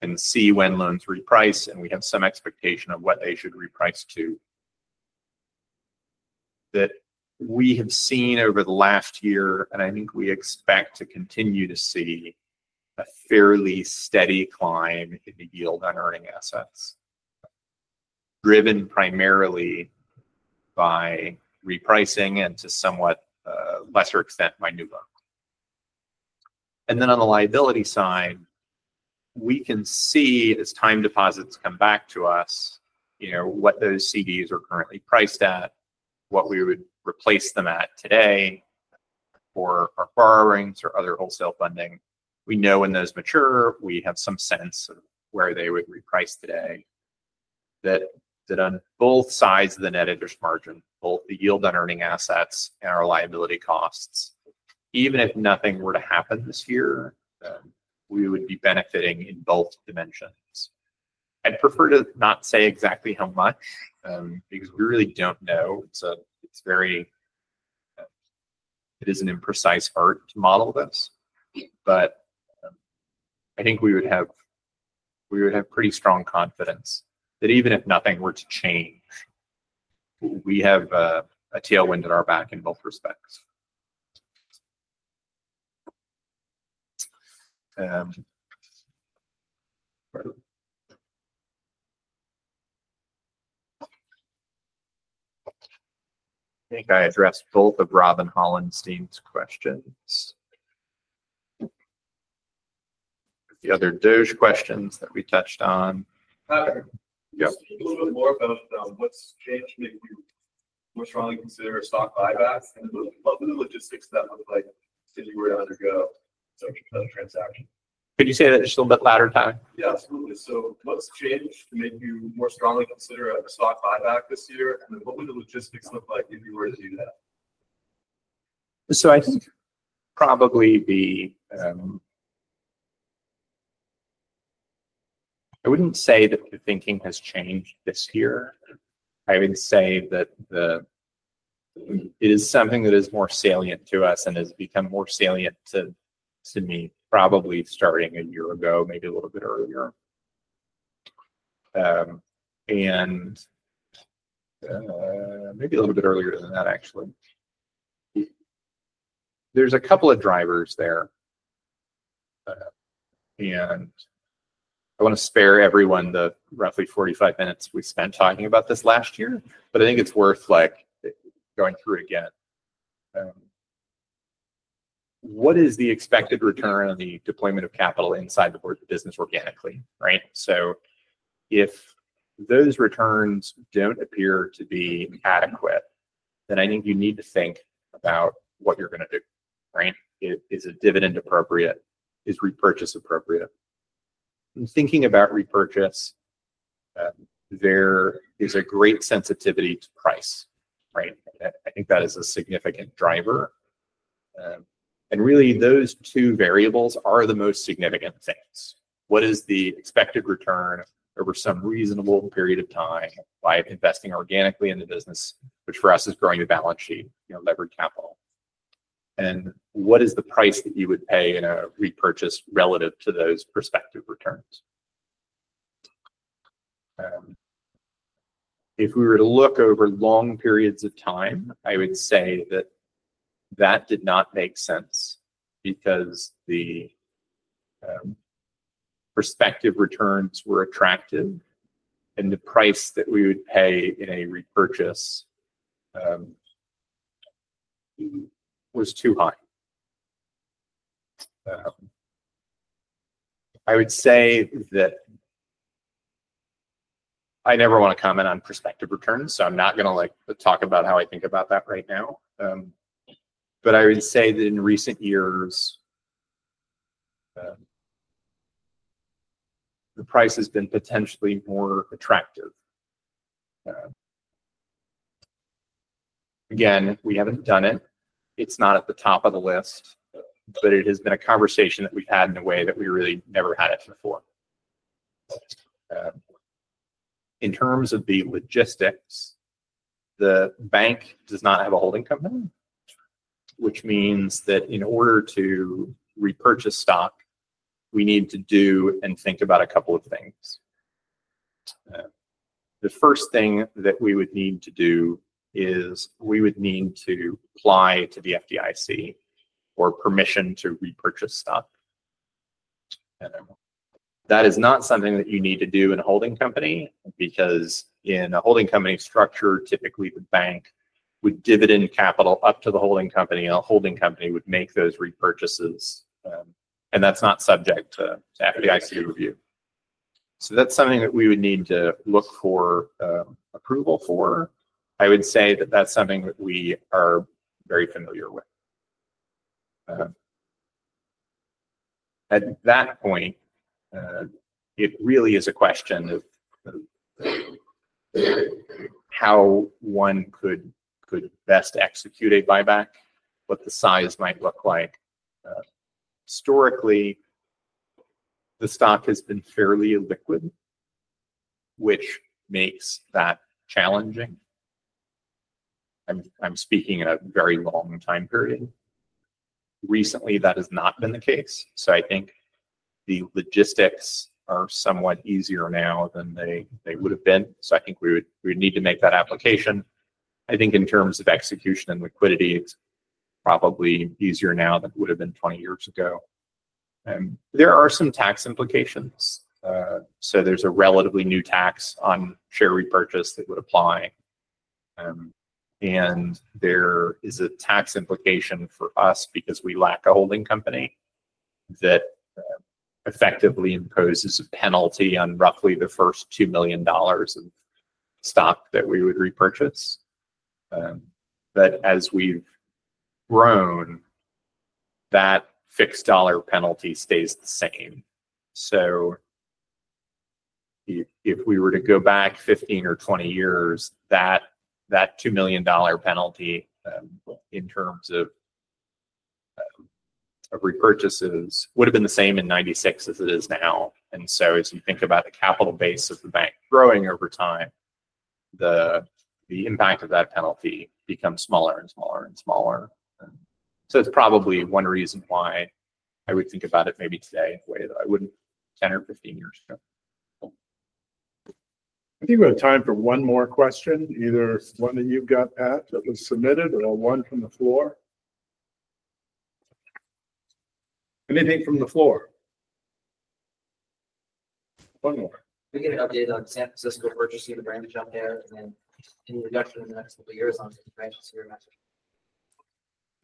can see when loans reprice and we have some expectation of what they should reprice to, that we have seen over the last year, and I think we expect to continue to see a fairly steady climb in the yield on earning assets, driven primarily by repricing and to somewhat lesser extent by new loans. On the liability side, we can see as time deposits come back to us what those CDs are currently priced at, what we would replace them at today for our borrowings or other wholesale funding. We know when those mature, we have some sense of where they would reprice today, that on both sides of the net interest margin, both the yield on earning assets and our liability costs, even if nothing were to happen this year, we would be benefiting in both dimensions. I'd prefer to not say exactly how much because we really do not know. It is an imprecise art to model this. I think we would have pretty strong confidence that even if nothing were to change, we have a tailwind in our back in both respects. I think I addressed both of Robin Hollenstein's questions. The other DOGE questions that we touched on. Yep. Just a little bit more about what's changed to make you more strongly consider a stock buyback and then what would the logistics of that look like if you were to undergo such a transaction? Could you say that just a little bit louder? Yeah, absolutely. What's changed to make you more strongly consider a stock buyback this year? And then what would the logistics look like if you were to do that? I think probably the I wouldn't say that the thinking has changed this year. I would say that it is something that is more salient to us and has become more salient to me, probably starting a year ago, maybe a little bit earlier. And maybe a little bit earlier than that, actually. There's a couple of drivers there. I want to spare everyone the roughly 45 minutes we spent talking about this last year, but I think it's worth going through it again. What is the expected return on the deployment of capital inside the business organically, right? If those returns don't appear to be adequate, then I think you need to think about what you're going to do, right? Is it dividend appropriate? Is repurchase appropriate? In thinking about repurchase, there is a great sensitivity to price, right? I think that is a significant driver. Really, those two variables are the most significant things. What is the expected return over some reasonable period of time by investing organically in the business, which for us is growing the balance sheet, leverage capital? What is the price that you would pay in a repurchase relative to those prospective returns? If we were to look over long periods of time, I would say that that did not make sense because the prospective returns were attractive and the price that we would pay in a repurchase was too high. I would say that I never want to comment on prospective returns, so I'm not going to talk about how I think about that right now. I would say that in recent years, the price has been potentially more attractive. Again, we haven't done it. It's not at the top of the list, but it has been a conversation that we've had in a way that we really never had it before. In terms of the logistics, the bank does not have a holding company, which means that in order to repurchase stock, we need to do and think about a couple of things. The first thing that we would need to do is we would need to apply to the FDIC for permission to repurchase stock. That is not something that you need to do in a holding company because in a holding company structure, typically, the bank would dividend capital up to the holding company, and the holding company would make those repurchases. That is not subject to FDIC review. That is something that we would need to look for approval for. I would say that is something that we are very familiar with. At that point, it really is a question of how one could best execute a buyback, what the size might look like. Historically, the stock has been fairly illiquid, which makes that challenging. I am speaking in a very long time period. Recently, that has not been the case. I think the logistics are somewhat easier now than they would have been. I think we would need to make that application. I think in terms of execution and liquidity, it's probably easier now than it would have been 20 years ago. There are some tax implications. There's a relatively new tax on share repurchase that would apply. There is a tax implication for us because we lack a holding company that effectively imposes a penalty on roughly the first $2 million of stock that we would repurchase. As we've grown, that fixed dollar penalty stays the same. If we were to go back 15 or 20 years, that $2 million penalty in terms of repurchases would have been the same in 1996 as it is now. As you think about the capital base of the bank growing over time, the impact of that penalty becomes smaller and smaller and smaller. It is probably one reason why I would think about it maybe today in a way that I would not 10 or 15 years ago. I think we have time for one more question, either one that you have that was submitted or one from the floor. Anything from the floor? One more. Can we get an update on San Francisco purchasing, the brand new job there, and then any reduction in the next couple of years on the brand new?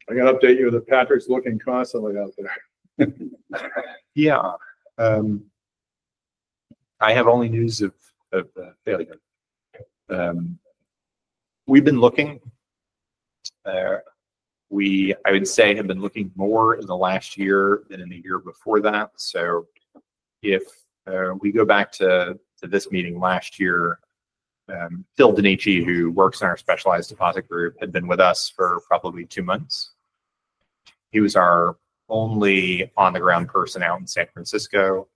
I have to update you that Patrick is looking constantly out there. I have only news of failure. We have been looking. I would say I have been looking more in the last year than in the year before that. If we go back to this meeting last year, Phil Denichi, who works on our specialized deposit group, had been with us for probably two months. He was our only on-the-ground person out in San Francisco.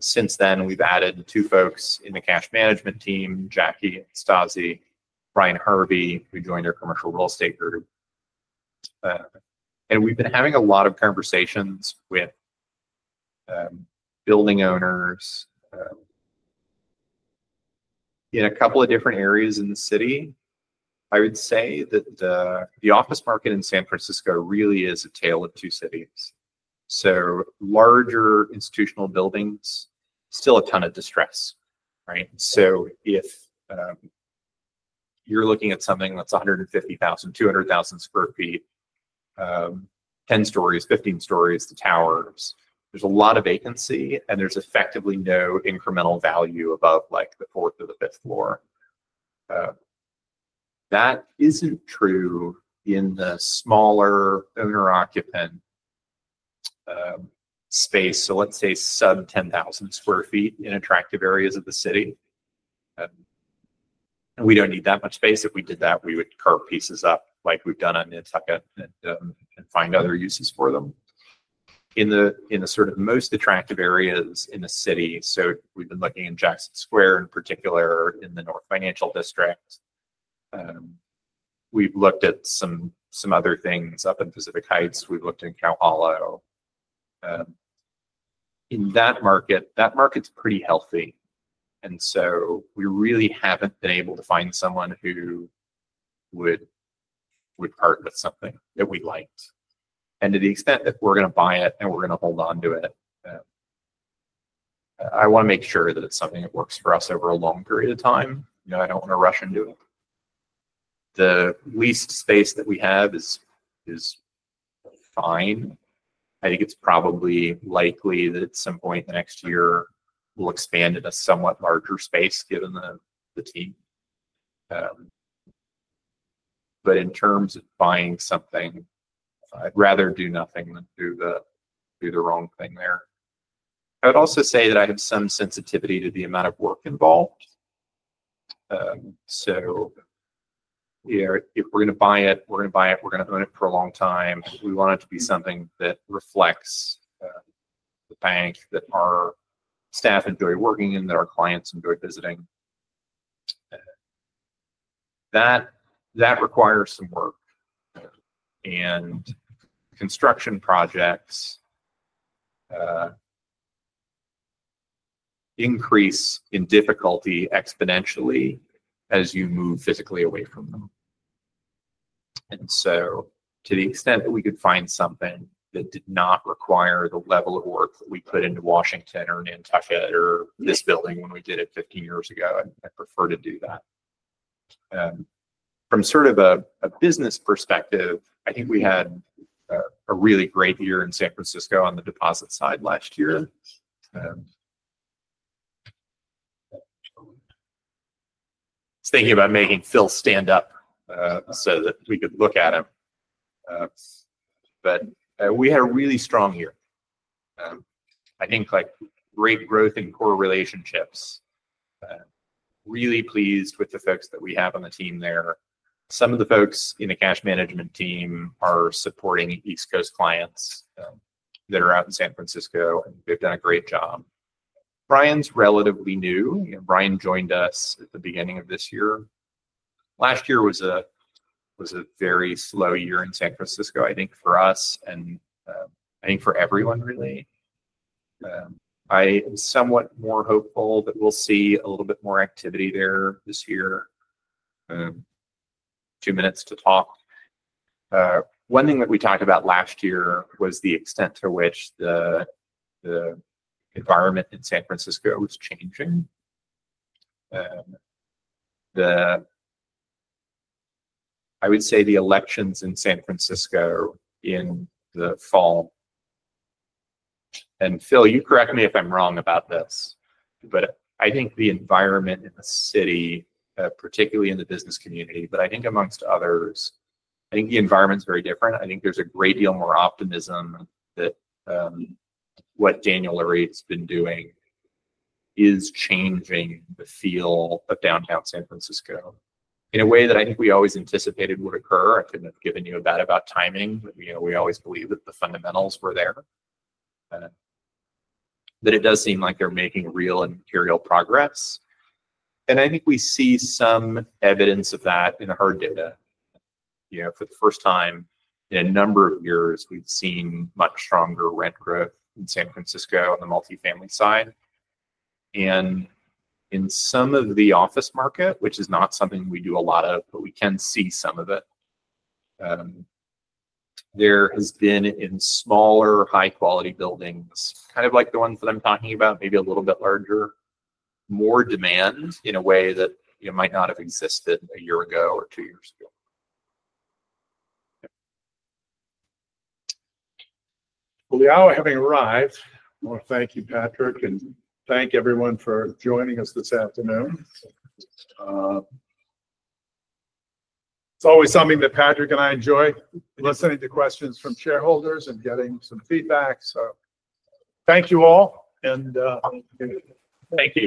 Since then, we've added two folks in the cash management team, Jackie Stozzi, Brian Harvey, who joined our commercial real estate group. We've been having a lot of conversations with building owners in a couple of different areas in the city. I would say that the office market in San Francisco really is a tale of two cities. Larger institutional buildings, still a ton of distress, right? If you're looking at something that's 150,000-200,000 sq ft, 10 stories, 15 stories, the towers, there's a lot of vacancy, and there's effectively no incremental value above the fourth or the fifth floor. That isn't true in the smaller owner-occupant space, so let's say sub 10,000 sq ft in attractive areas of the city. We don't need that much space. If we did that, we would carve pieces up like we've done on Nantucket and find other uses for them. In the sort of most attractive areas in the city, we've been looking in Jackson Square in particular, in the North Financial District. We've looked at some other things up in Pacific Heights. We've looked in Cal Hollow. In that market, that market's pretty healthy. We really haven't been able to find someone who would part with something that we liked. To the extent that we're going to buy it and we're going to hold on to it, I want to make sure that it's something that works for us over a long period of time. I don't want to rush into it. The lease space that we have is fine. I think it's probably likely that at some point in the next year, we'll expand into somewhat larger space given the team. In terms of buying something, I'd rather do nothing than do the wrong thing there. I would also say that I have some sensitivity to the amount of work involved. If we're going to buy it, we're going to buy it. We're going to own it for a long time. We want it to be something that reflects the bank that our staff enjoy working in, that our clients enjoy visiting. That requires some work. Construction projects increase in difficulty exponentially as you move physically away from them. To the extent that we could find something that did not require the level of work that we put into Washington or Nantucket or this building when we did it 15 years ago, I'd prefer to do that. From sort of a business perspective, I think we had a really great year in San Francisco on the deposit side last year. I was thinking about making Phil stand up so that we could look at him. We had a really strong year. I think great growth in core relationships. Really pleased with the folks that we have on the team there. Some of the folks in the cash management team are supporting East Coast clients that are out in San Francisco, and they've done a great job. Brian's relatively new. Brian joined us at the beginning of this year. Last year was a very slow year in San Francisco, I think, for us, and I think for everyone, really. I am somewhat more hopeful that we'll see a little bit more activity there this year. One thing that we talked about last year was the extent to which the environment in San Francisco was changing. I would say the elections in San Francisco in the fall. Phil, you correct me if I'm wrong about this, but I think the environment in the city, particularly in the business community, but I think amongst others, I think the environment's very different. I think there's a great deal more optimism that what Daniel Lurie has been doing is changing the feel of downtown San Francisco in a way that I think we always anticipated would occur. I couldn't have given you a bet about timing. We always believed that the fundamentals were there, that it does seem like they're making real and material progress. I think we see some evidence of that in our data. For the first time in a number of years, we've seen much stronger rent growth in San Francisco on the multifamily side. In some of the office market, which is not something we do a lot of, but we can see some of it, there has been in smaller high-quality buildings, kind of like the ones that I'm talking about, maybe a little bit larger, more demand in a way that might not have existed a year ago or two years ago. Now having arrived, I want to thank you, Patrick, and thank everyone for joining us this afternoon. It's always something that Patrick and I enjoy, listening to questions from shareholders and getting some feedback. Thank you all, and thank you.